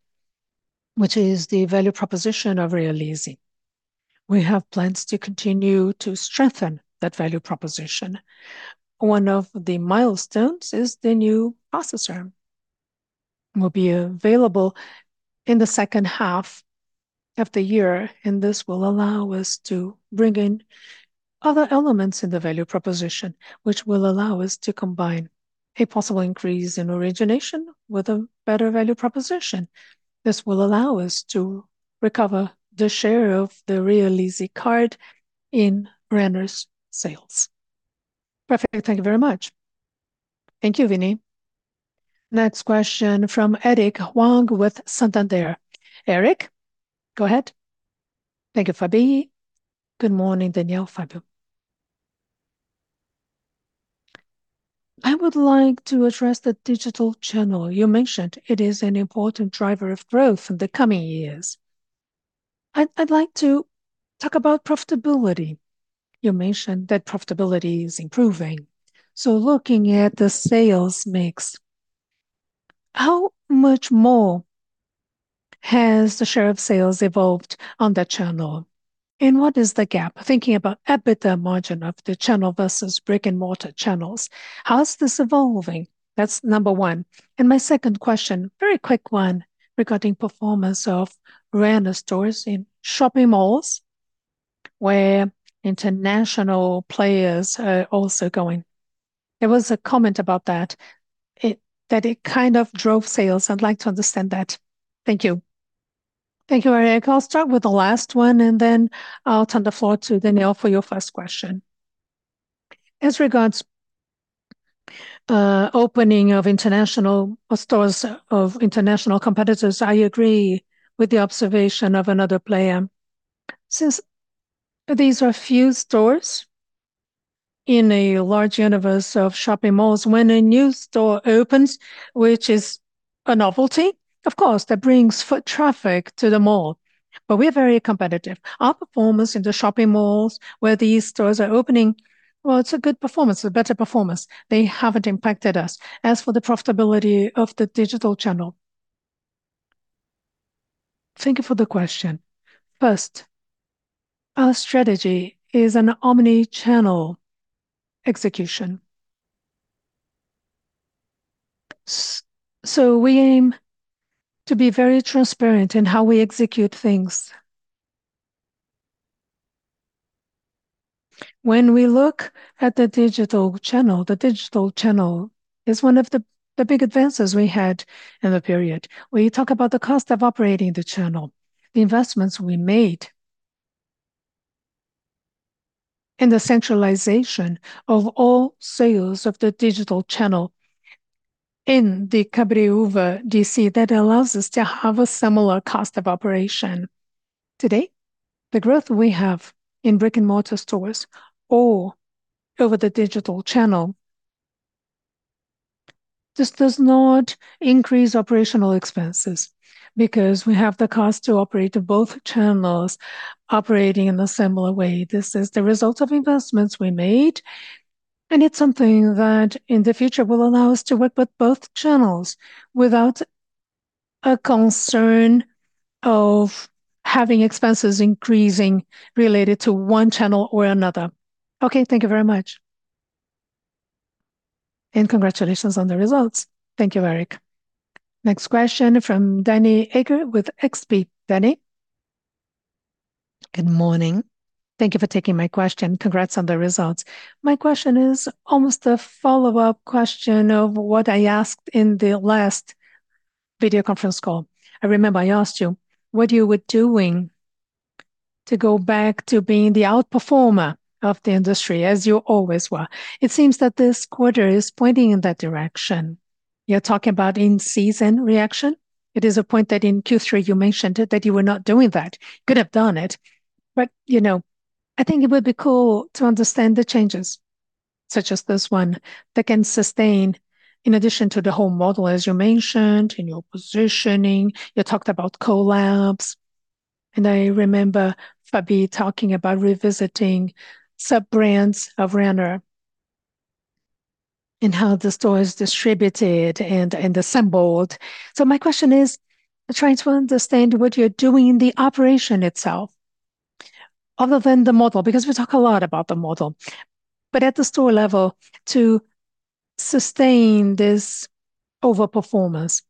which is the value proposition of Realize. We have plans to continue to strengthen that value proposition. One of the milestones is the new processor will be available in the second half of the year. This will allow us to bring in other elements in the value proposition, which will allow us to combine a possible increase in origination with a better value proposition. This will allow us to recover the share of the Real Easy card in Renner's sales. Perfect. Thank you very much. Thank you, Vini. Next question from Eric Huang with Santander. Eric, go ahead. Thank you, Fabi. Good morning, Daniel, Fabi. I would like to address the digital channel. You mentioned it is an important driver of growth in the coming years. I'd like to talk about profitability. You mentioned that profitability is improving. Looking at the sales mix, how much more has the share of sales evolved on that channel? What is the gap? Thinking about EBITDA margin of the channel versus brick-and-mortar channels. How is this evolving? That's number one. My second question, very quick one regarding performance of Renner stores in shopping malls where international players are also going. There was a comment about that it kind of drove sales. I'd like to understand that. Thank you. Thank you, Eric. I'll start with the last one, and then I'll turn the floor to Daniel for your first question. As regards opening of international or stores of international competitors, I agree with the observation of another player. Since these are a few stores in a large universe of shopping malls, when a new store opens, which is a novelty, of course that brings foot traffic to the mall, but we're very competitive. Our performance in the shopping malls where these stores are opening, well, it's a good performance, a better performance. They haven't impacted us. As for the profitability of the digital channel. Thank you for the question. First, our strategy is an omni-channel execution. We aim to be very transparent in how we execute things. When we look at the digital channel, the digital channel is one of the big advances we had in the period. We talk about the cost of operating the channel, the investments we made, and the centralization of all sales of the digital channel in the Cabreuva DC that allows us to have a similar cost of operation. Today, the growth we have in brick-and-mortar stores or over the digital channel, this does not increase operational expenses because we have the cost to operate the both channels operating in a similar way. This is the result of investments we made, and it's something that in the future will allow us to work with both channels without a concern of having expenses increasing related to one channel or another. Okay. Thank you very much. Congratulations on the results. Thank you, Eric. Next question from Danniela Eiger with XP. Danniela. Good morning. Thank you for taking my question. Congrats on the results. My question is almost a follow-up question of what I asked in the last video conference call. I remember I asked you what you were doing to go back to being the outperformer of the industry, as you always were. It seems that this quarter is pointing in that direction. You're talking about in-season reaction. It is a point that in Q3 you mentioned that you were not doing that. Could have done it, but, you know, I think it would be cool to understand the changes such as this one that can sustain in addition to the whole model, as you mentioned, in your positioning. You talked about collabs, and I remember Fabi talking about revisiting sub-brands of Renner and how the store is distributed and assembled. My question is trying to understand what you're doing in the operation itself. Other than the model, because we talk a lot about the model. At the store level to sustain this overperformance,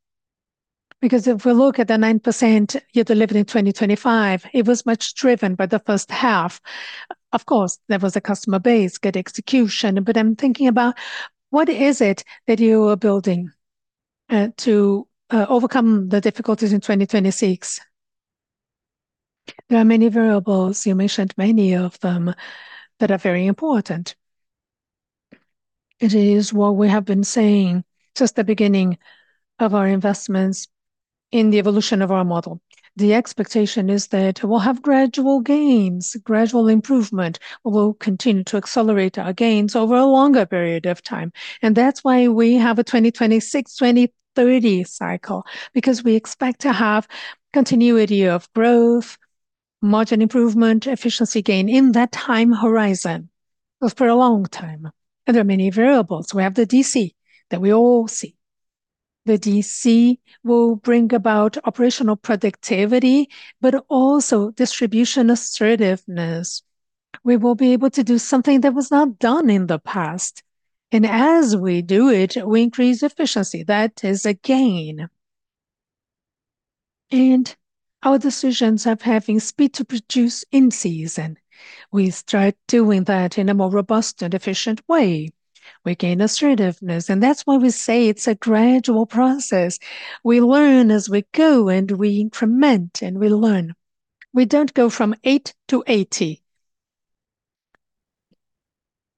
because if we look at the 9% you delivered in 2025, it was much driven by the first half. Of course, there was a customer base, good execution, but I'm thinking about what is it that you are building to overcome the difficulties in 2026? There are many variables. You mentioned many of them that are very important. It is what we have been saying since the beginning of our investments in the evolution of our model. The expectation is that we'll have gradual gains, gradual improvement. We'll continue to accelerate our gains over a longer period of time, and that's why we have a 2026, 2030 cycle, because we expect to have continuity of growth, margin improvement, efficiency gain in that time horizon for a long time. There are many variables. We have the DC that we all see. The DC will bring about operational productivity, but also distribution assertiveness. We will be able to do something that was not done in the past. As we do it, we increase efficiency. That is a gain. Our decisions of having speed to produce in-season, we start doing that in a more robust and efficient way. We gain assertiveness, and that's why we say it's a gradual process. We learn as we go, and we increment, and we learn. We don't go from 8 to 80.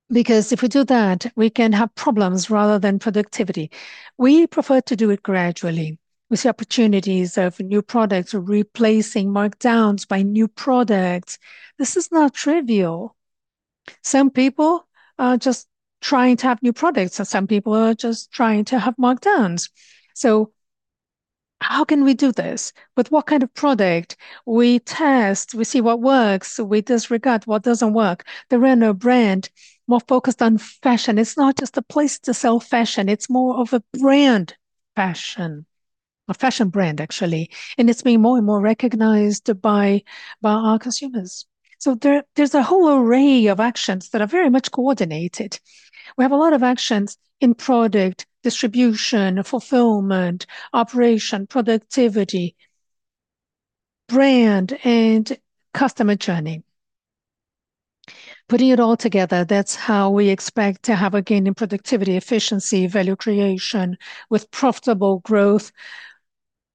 Because if we do that, we can have problems rather than productivity. We prefer to do it gradually. We see opportunities of new products replacing markdowns by new products. This is not trivial. Some people are just trying to have new products, and some people are just trying to have markdowns. How can we do this? With what kind of product? We test, we see what works, we disregard what doesn't work. The Renner brand, more focused on fashion. It's not just a place to sell fashion, it's more of a brand fashion. A fashion brand, actually, and it's being more and more recognized by our consumers. There, there's a whole array of actions that are very much coordinated. We have a lot of actions in product distribution, fulfillment, operation, productivity, brand, and customer journey. Putting it all together, that's how we expect to have a gain in productivity, efficiency, value creation with profitable growth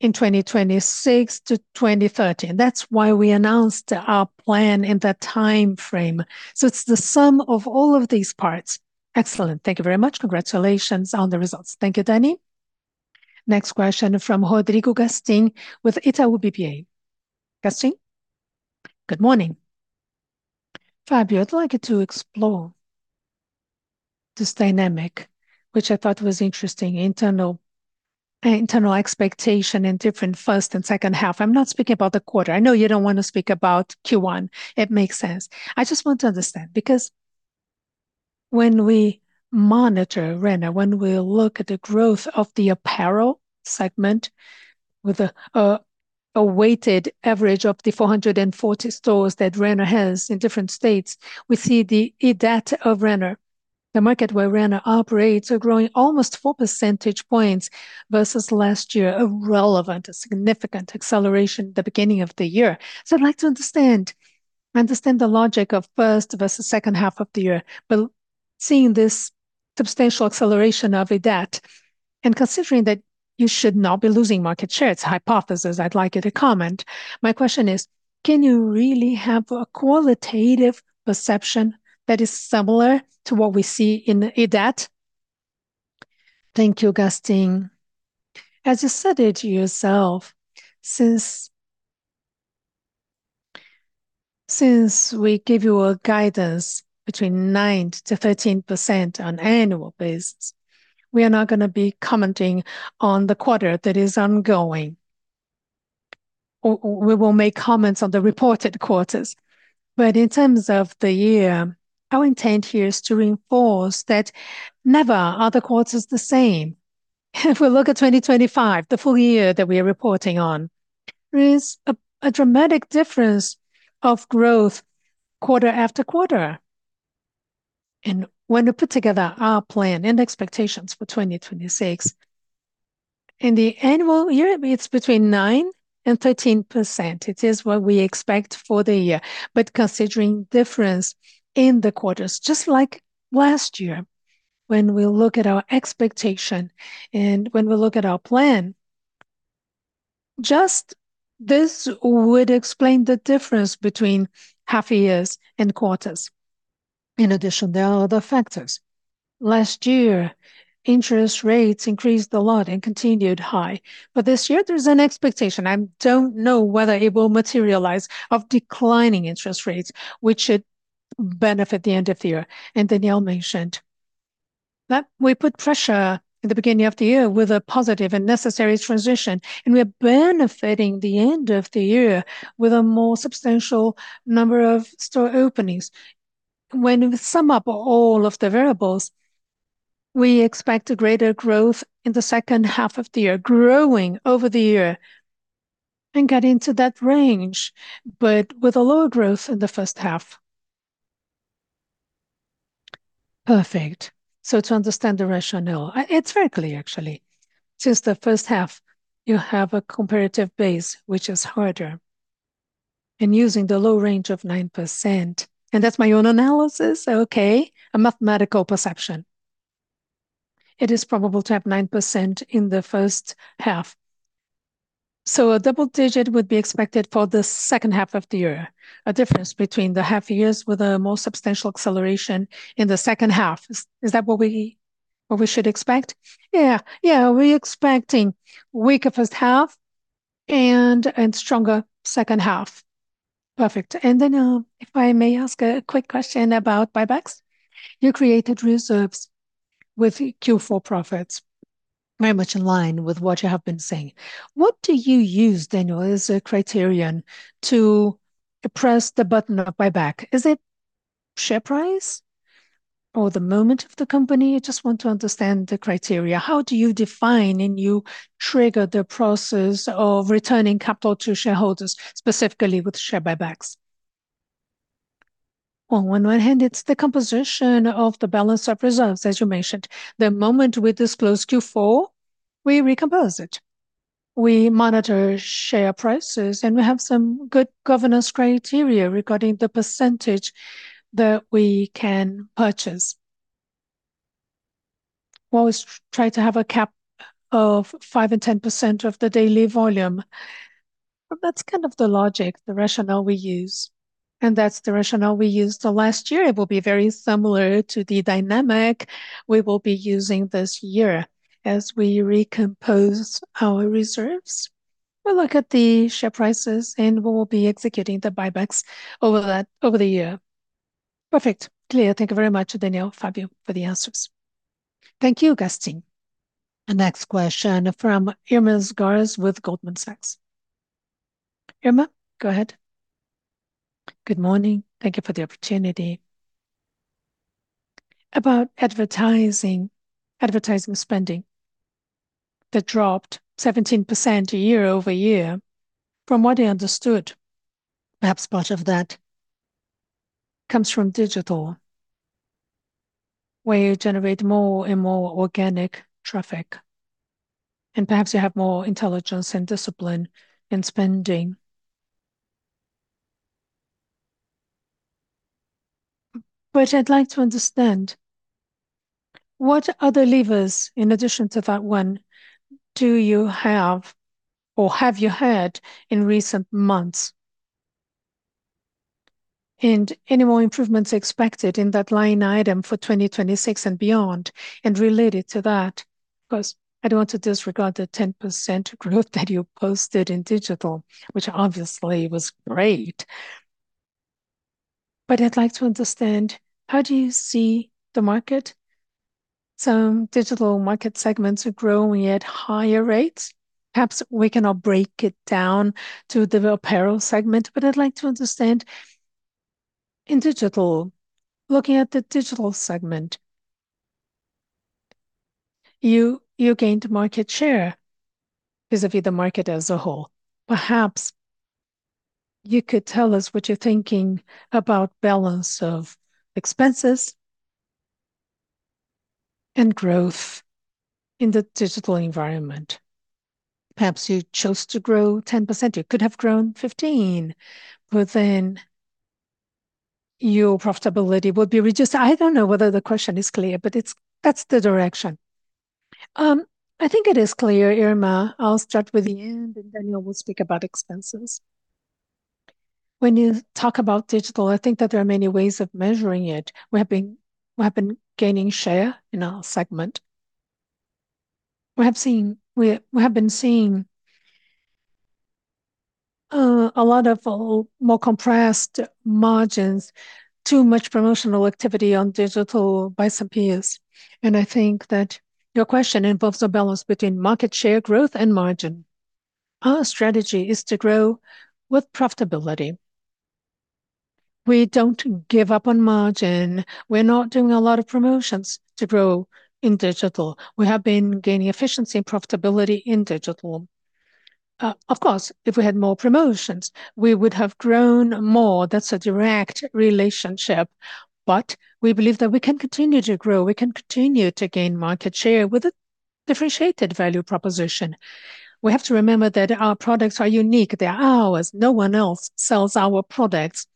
in 2026-2030. That's why we announced our plan in that timeframe. It's the sum of all of these parts. Excellent. Thank you very much. Congratulations on the results. Thank you, Danny. Next question from Rodrigo Gastim with Itaú BBA. Gastim? Good morning. Fabio, I'd like to explore this dynamic, which I thought was interesting. Internal expectation in different first and second half. I'm not speaking about the quarter. I know you don't want to speak about Q1. It makes sense. I just want to understand, because when we monitor Renner, when we look at the growth of the apparel segment with a weighted average of the 440 stores that Renner has in different states, we see the EDAT of Renner, the market where Renner operates, are growing almost 4 percentage points versus last year. A relevant, significant acceleration at the beginning of the year. I'd like to understand the logic of first versus second half of the year. Seeing this substantial acceleration of EDAT and considering that you should not be losing market share, it's a hypothesis, I'd like you to comment. My question is, can you really have a qualitative perception that is similar to what we see in EDAT? Thank you, Gastim. As you said it yourself, since we give you a guidance between 9%-13% on annual basis, we are not gonna be commenting on the quarter that is ongoing. We will make comments on the reported quarters. In terms of the year, our intent here is to reinforce that never are the quarters the same. If we look at 2025, the full year that we're reporting on, there is a dramatic difference of growth quarter after quarter. When we put together our plan and expectations for 2026, in the annual year, it's between 9% and 13%. It is what we expect for the year. Considering difference in the quarters, just like last year, when we look at our expectation and when we look at our plan, just this would explain the difference between half years and quarters. In addition, there are other factors. Last year, interest rates increased a lot and continued high. This year there's an expectation, I don't know whether it will materialize, of declining interest rates, which should benefit the end of the year. Daniel mentioned that we put pressure at the beginning of the year with a positive and necessary transition, and we are benefiting the end of the year with a more substantial number of store openings. When we sum up all of the variables. We expect a greater growth in the second half of the year, growing over the year and get into that range, but with a lower growth in the first half. Perfect. To understand the rationale, it's very clear actually. Since the first half you have a comparative base which is harder. Using the low range of 9%, and that's my own analysis, okay, a mathematical perception. It is probable to have 9% in the first half. A double digit would be expected for the second half of the year. A difference between the half years with a more substantial acceleration in the second half. Is that what we should expect? We're expecting weaker first half and stronger second half. Perfect. If I may ask a quick question about buybacks. You created reserves with Q4 profits very much in line with what you have been saying. What do you use, Daniel, as a criterion to press the button of buyback? Is it share price or the moment of the company? I just want to understand the criteria. How do you define and you trigger the process of returning capital to shareholders, specifically with share buybacks? Well, on one hand it's the composition of the balance of reserves, as you mentioned. The moment we disclose Q4, we recompose it. We monitor share prices and we have some good governance criteria regarding the percentage that we can purchase. We always try to have a cap of 5% and 10% of the daily volume. That's kind of the logic, the rationale we use, and that's the rationale we used the last year. It will be very similar to the dynamic we will be using this year as we recompose our reserves. We'll look at the share prices and we will be executing the buybacks over that over the year. Perfect. Clear. Thank you very much, Daniel, Fabio, for the answers. Thank you, Christine. The next question from Irma Sgarz with Goldman Sachs. Irma, go ahead. Good morning. Thank you for the opportunity. About advertising spending that dropped 17% year-over-year. From what I understood, perhaps part of that comes from digital, where you generate more and more organic traffic, and perhaps you have more intelligence and discipline in spending. I'd like to understand, what other levers, in addition to that one, do you have or have you had in recent months? Any more improvements expected in that line item for 2026 and beyond? Related to that, ’cause I don't want to disregard the 10% growth that you posted in digital, which obviously was great, but I'd like to understand, how do you see the market? Some digital market segments are growing at higher rates. Perhaps we cannot break it down to the apparel segment. I'd like to understand in digital, looking at the digital segment, you gained market share vis-a-vis the market as a whole. Perhaps you could tell us what you're thinking about balance of expenses and growth in the digital environment. Perhaps you chose to grow 10%, you could have grown 15%, your profitability would be reduced. I don't know whether the question is clear, that's the direction. I think it is clear, Irma. I'll start with the end. Daniel will speak about expenses. When you talk about digital, I think that there are many ways of measuring it. We have been gaining share in our segment. We have seen... We have been seeing a lot of more compressed margins, too much promotional activity on digital by some peers. I think that your question involves a balance between market share growth and margin. Our strategy is to grow with profitability. We don't give up on margin. We're not doing a lot of promotions to grow in digital. We have been gaining efficiency and profitability in digital. Of course, if we had more promotions, we would have grown more. That's a direct relationship. We believe that we can continue to grow, we can continue to gain market share with a differentiated value proposition. We have to remember that our products are unique. They're ours. No one else sells our products,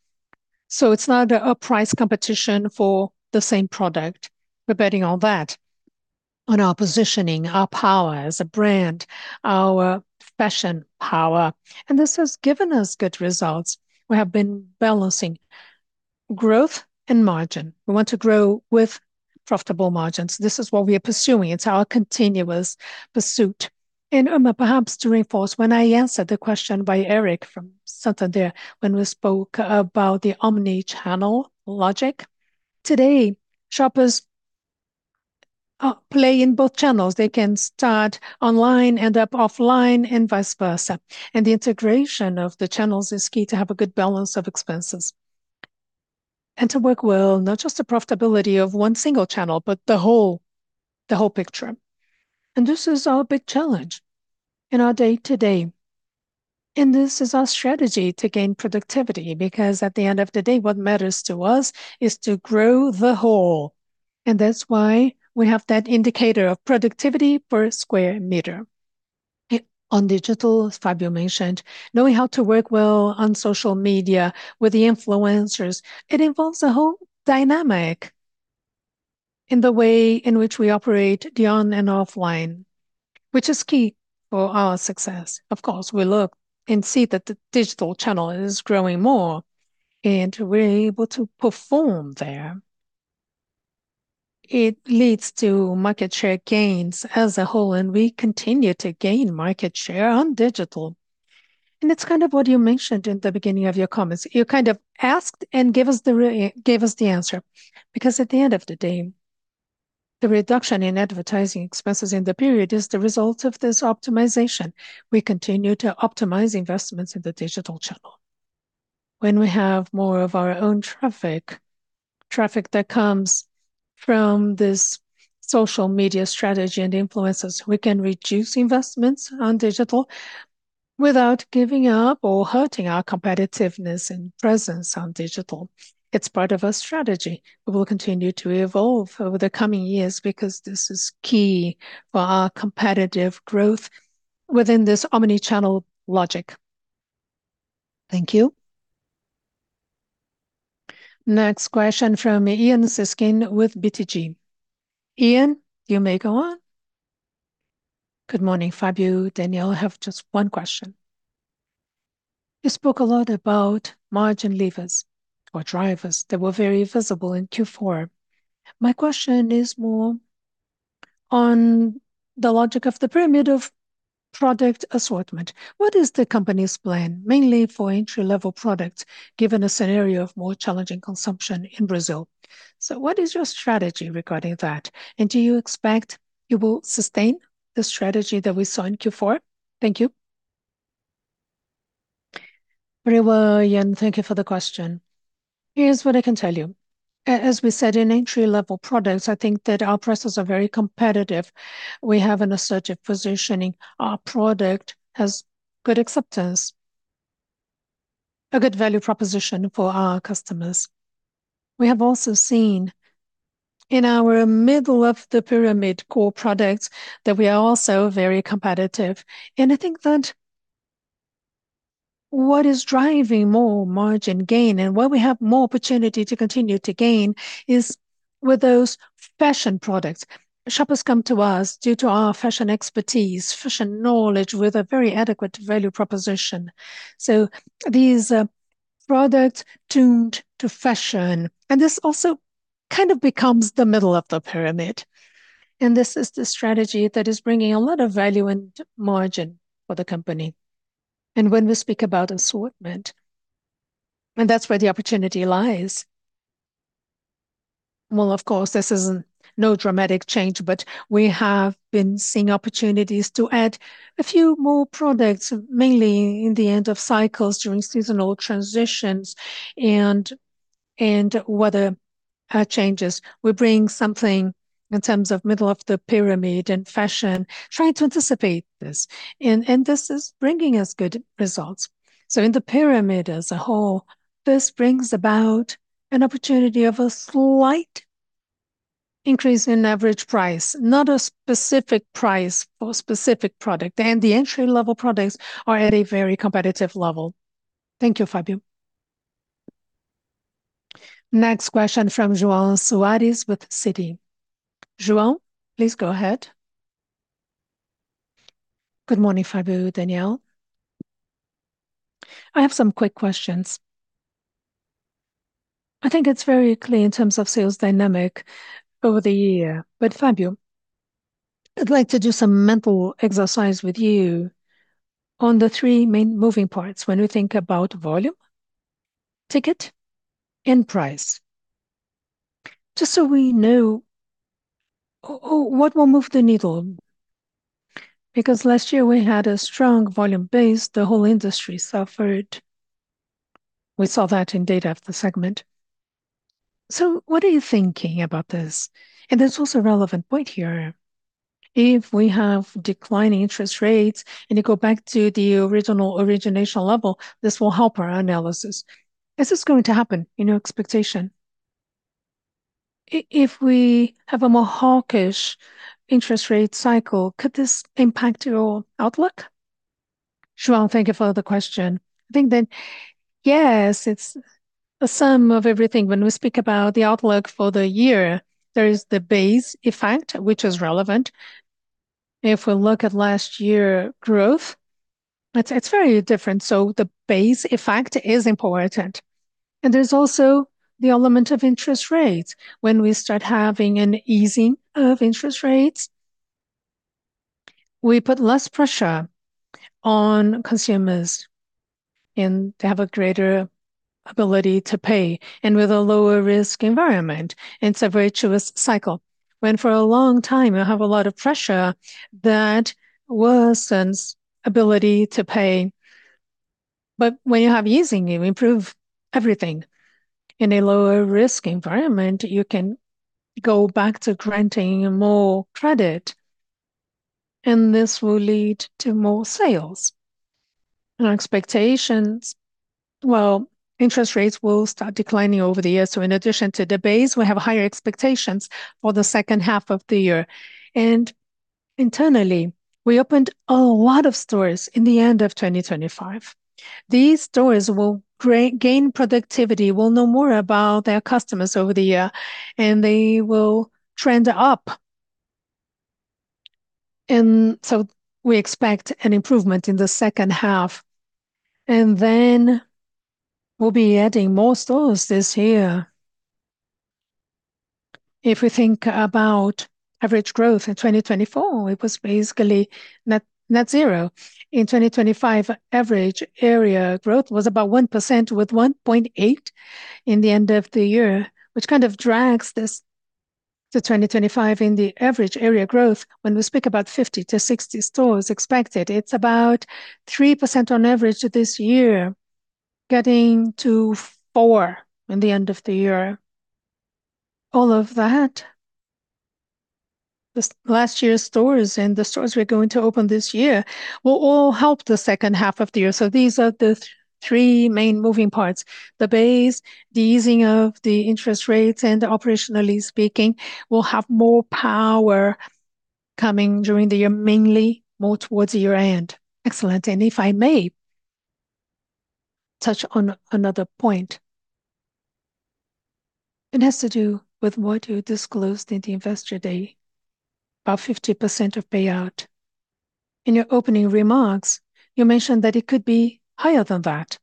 so it's not a price competition for the same product. We're betting on that, on our positioning, our power as a brand, our fashion power. This has given us good results. We have been balancing growth and margin. We want to grow with profitable margins. This is what we are pursuing. It's our continuous pursuit. Irma, perhaps to reinforce, when I answered the question by Eric from Santander when we spoke about the omni-channel logic, today shoppers play in both channels. They can start online, end up offline, and vice versa. The integration of the channels is key to have a good balance of expenses. And to work well, not just the profitability of one single channel, but the whole, the whole picture. This is our big challenge in our day to day. This is our strategy to gain productivity, because at the end of the day, what matters to us is to grow the whole. That's why we have that indicator of productivity per square meter. On digital, as Fabio mentioned, knowing how to work well on social media with the influencers, it involves a whole dynamic in the way in which we operate the on and offline, which is key for our success. Of course, we look and see that the digital channel is growing more, and we're able to perform there. It leads to market share gains as a whole, and we continue to gain market share on digital. It's kind of what you mentioned in the beginning of your comments. You kind of asked and gave us the answer. At the end of the day, the reduction in advertising expenses in the period is the result of this optimization. We continue to optimize investments in the digital channel. When we have more of our own traffic that comes from this social media strategy and influencers, we can reduce investments on digital without giving up or hurting our competitiveness and presence on digital. It's part of our strategy. We will continue to evolve over the coming years because this is key for our competitive growth within this omni-channel logic. Thank you. Next question from Luiz Guanais with BTG. Luiz, you may go on. Good morning, Fabio, Daniel. I have just one question. You spoke a lot about margin levers or drivers that were very visible in Q4. My question is more on the logic of the pyramid of product assortment. What is the company's plan, mainly for entry-level products, given a scenario of more challenging consumption in Brazil? What is your strategy regarding that? Do you expect you will sustain the strategy that we saw in Q4? Thank you. Very well, Guanais. Thank you for the question. Here's what I can tell you. As we said, in entry-level products, I think that our prices are very competitive. We have an assertive positioning. Our product has good acceptance, a good value proposition for our customers. We have also seen in our middle-of-the-pyramid core products that we are also very competitive. I think that what is driving more margin gain and where we have more opportunity to continue to gain is with those fashion products. Shoppers come to us due to our fashion expertise, fashion knowledge with a very adequate value proposition, so these products tuned to fashion. This also kind of becomes the middle of the pyramid, and this is the strategy that is bringing a lot of value and margin for the company. When we speak about assortment, and that's where the opportunity lies. Of course, this is no dramatic change, but we have been seeing opportunities to add a few more products, mainly in the end of cycles during seasonal transitions and weather changes. We're bringing something in terms of middle of the pyramid and fashion, trying to anticipate this and this is bringing us good results. In the pyramid as a whole, this brings about an opportunity of a slight increase in average price, not a specific price for a specific product. The entry-level products are at a very competitive level. Thank you, Fabio. Next question from João Soares with Citi. João, please go ahead. Good morning, Fabio, Daniel. I have some quick questions. I think it's very clear in terms of sales dynamic over the year. Fabio, I'd like to do some mental exercise with you on the three main moving parts when we think about volume, ticket, and price, just so we know what will move the needle. Last year we had a strong volume base, the whole industry suffered. We saw that in data of the segment. What are you thinking about this? There's also a relevant point here. If we have declining interest rates, and you go back to the original origination level, this will help our analysis. Is this going to happen in your expectation? If we have a more hawkish interest rate cycle, could this impact your outlook? João, thank you for the question. I think that, yes, it's a sum of everything. When we speak about the outlook for the year, there is the base effect, which is relevant. If we look at last year growth, it's very different. The base effect is important, and there's also the element of interest rates. When we start having an easing of interest rates, we put less pressure on consumers and they have a greater ability to pay, and with a lower risk environment. It's a virtuous cycle. When for a long time you have a lot of pressure that worsens ability to pay. When you have easing, you improve everything. In a lower risk environment, you can go back to granting more credit, and this will lead to more sales. Our expectations. Well, interest rates will start declining over the years. In addition to the base, we have higher expectations for the second half of the year. Internally, we opened a lot of stores in the end of 2025. These stores will gain productivity. We'll know more about their customers over the year, and they will trend up. We expect an improvement in the second half. Then we'll be adding more stores this year. If we think about average growth in 2024, it was basically net zero. In 2025, average area growth was about 1% with 1.8 in the end of the year, which kind of drags this to 2025 in the average area growth. When we speak about 50-60 stores expected, it's about 3% on average this year, getting to 4% in the end of the year. All of that, this last year's stores and the stores we're going to open this year, will all help the second half of the year. These are the three main moving parts. The base, the easing of the interest rates, and operationally speaking, we'll have more power coming during the year, mainly more towards the year end. Excellent. If I may touch on another point, it has to do with what you disclosed in the Investor Day, about 50% of payout. In your opening remarks, you mentioned that it could be higher than that.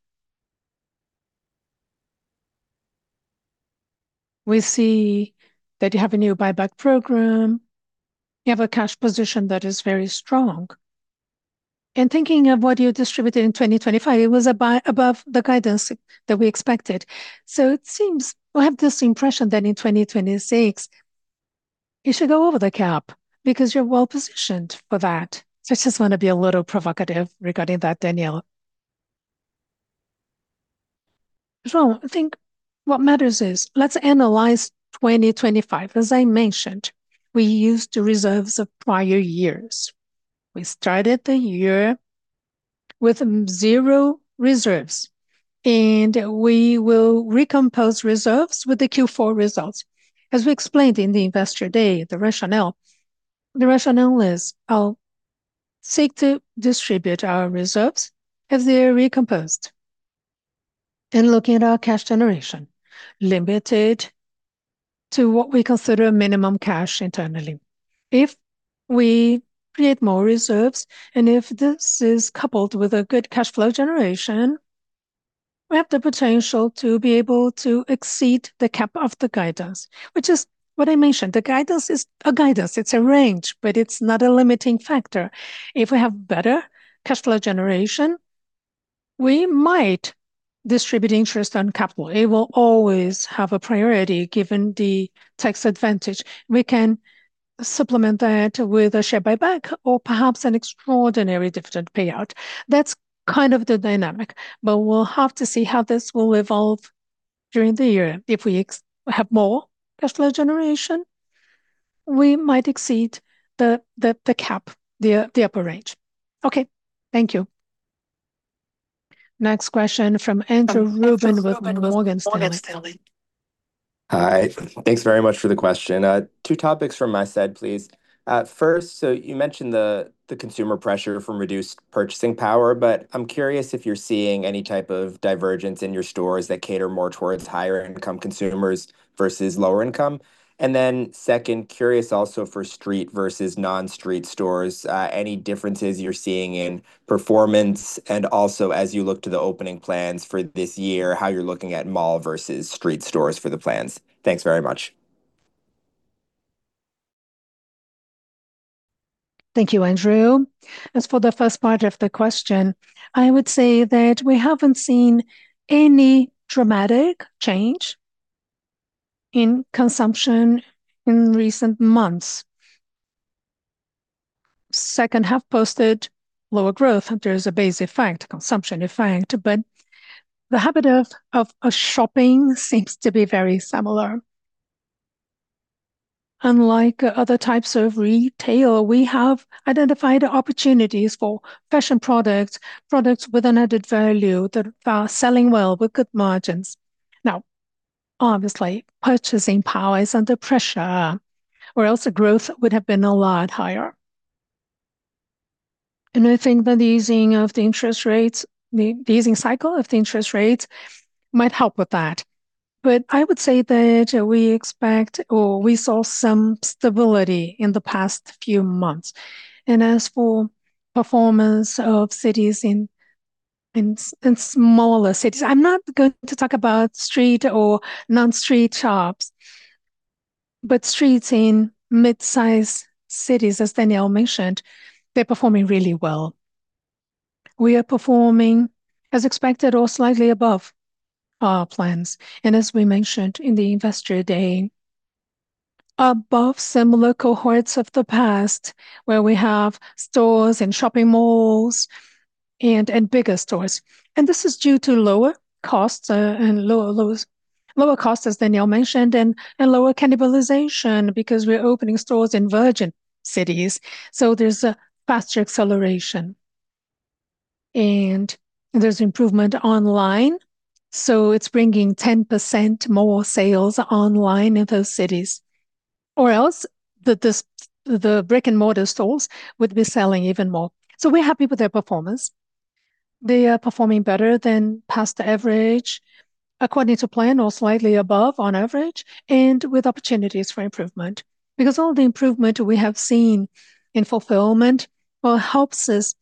We see that you have a new buyback program. You have a cash position that is very strong. In thinking of what you distributed in 2025, it was above the guidance that we expected. We have this impression that in 2026 you should go over the cap because you're well-positioned for that. I just wanna be a little provocative regarding that, Daniel. João, I think what matters is, let's analyze 2025. As I mentioned, we used the reserves of prior years. We started the year with zero reserves, and we will recompose reserves with the Q4 results. As we explained in the Investor Day, the rationale is I'll seek to distribute our reserves as they are recomposed. In looking at our cash generation, limited to what we consider minimum cash internally. If we create more reserves, and if this is coupled with a good cash flow generation, we have the potential to be able to exceed the cap of the guidance. Which is what I mentioned. The guidance is a guidance. It's a range, but it's not a limiting factor. If we have better cash flow generation, we might distribute Interest on Capital. It will always have a priority given the tax advantage. We can supplement that with a share buyback or perhaps an extraordinary dividend payout. That's kind of the dynamic, but we'll have to see how this will evolve during the year. If we have more cash flow generation, we might exceed the cap, the upper range. Okay. Thank you. Next question from Andrew Ruben with Morgan Stanley. Hi. Thanks very much for the question. Two topics from my side, please. First, you mentioned the consumer pressure from reduced purchasing power, I'm curious if you're seeing any type of divergence in your stores that cater more towards higher income consumers versus lower income. Second, curious also for street versus non-street stores, any differences you're seeing in performance also as you look to the opening plans for this year, how you're looking at mall versus street stores for the plans. Thanks very much. Thank you, Andrew. As for the first part of the question, I would say that we haven't seen any dramatic change in consumption in recent months. Second half posted lower growth. There is a base effect, consumption effect, but the habit of shopping seems to be very similar. Unlike other types of retail, we have identified opportunities for fashion products with an added value that are selling well with good margins. Now, obviously, purchasing power is under pressure, or else the growth would have been a lot higher. I think that the easing of the interest rates, the easing cycle of the interest rates might help with that. I would say that we expect or we saw some stability in the past few months. As for performance of cities in smaller cities, I'm not going to talk about street or non-street shops, but streets in mid-size cities, as Daniel mentioned, they're performing really well. We are performing as expected or slightly above our plans, as we mentioned in the investor day, above similar cohorts of the past where we have stores in shopping malls and bigger stores. This is due to lower costs, and lower costs, as Daniel mentioned, and lower cannibalization because we're opening stores in virgin cities, so there's a faster acceleration. There's improvement online, so it's bringing 10% more sales online in those cities. Else the brick-and-mortar stores would be selling even more. We're happy with their performance. They are performing better than past average, according to plan or slightly above on average, with opportunities for improvement. All the improvement we have seen in fulfillment, well, helps us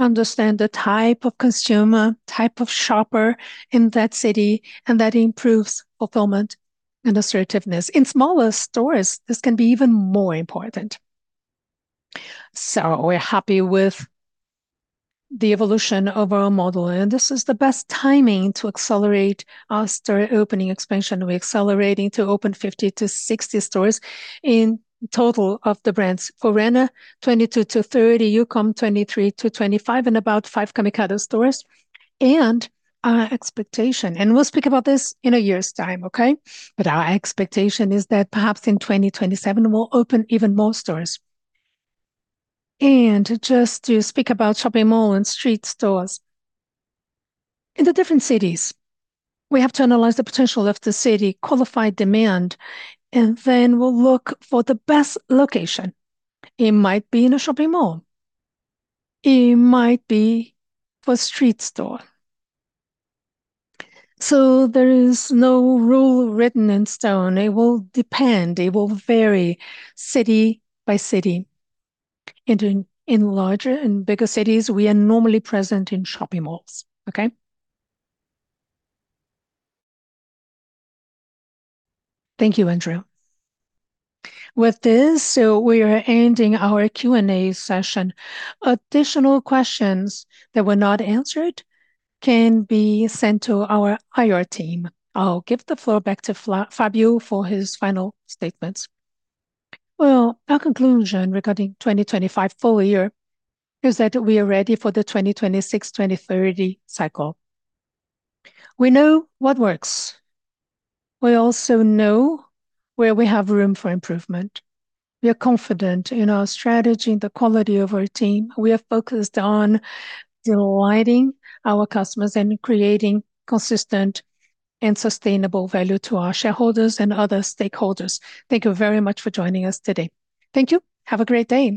understand the type of consumer, type of shopper in that city, and that improves fulfillment and assertiveness. In smaller stores, this can be even more important. We're happy with the evolution of our model, and this is the best timing to accelerate our store opening expansion. We're accelerating to open 50-60 stores in total of the brands. Renner 22-30, Youcom 23-25, and about five Camicado stores. Our expectation. We'll speak about this in one year's time, okay? Our expectation is that perhaps in 2027 we'll open even more stores. Just to speak about shopping mall and street stores. In the different cities, we have to analyze the potential of the city, qualify demand, and then we'll look for the best location. It might be in a shopping mall. It might be for street store. There is no rule written in stone. It will depend, it will vary city by city. In larger and bigger cities, we are normally present in shopping malls. Okay? Thank you, Andrew. With this, we are ending our Q&A session. Additional questions that were not answered can be sent to our IR team. I'll give the floor back to Fabio for his final statements. Well, our conclusion regarding 2025 full year is that we are ready for the 2026/2030 cycle. We know what works. We also know where we have room for improvement. We are confident in our strategy and the quality of our team. We are focused on delighting our customers and creating consistent and sustainable value to our shareholders and other stakeholders. Thank you very much for joining us today. Thank you. Have a great day.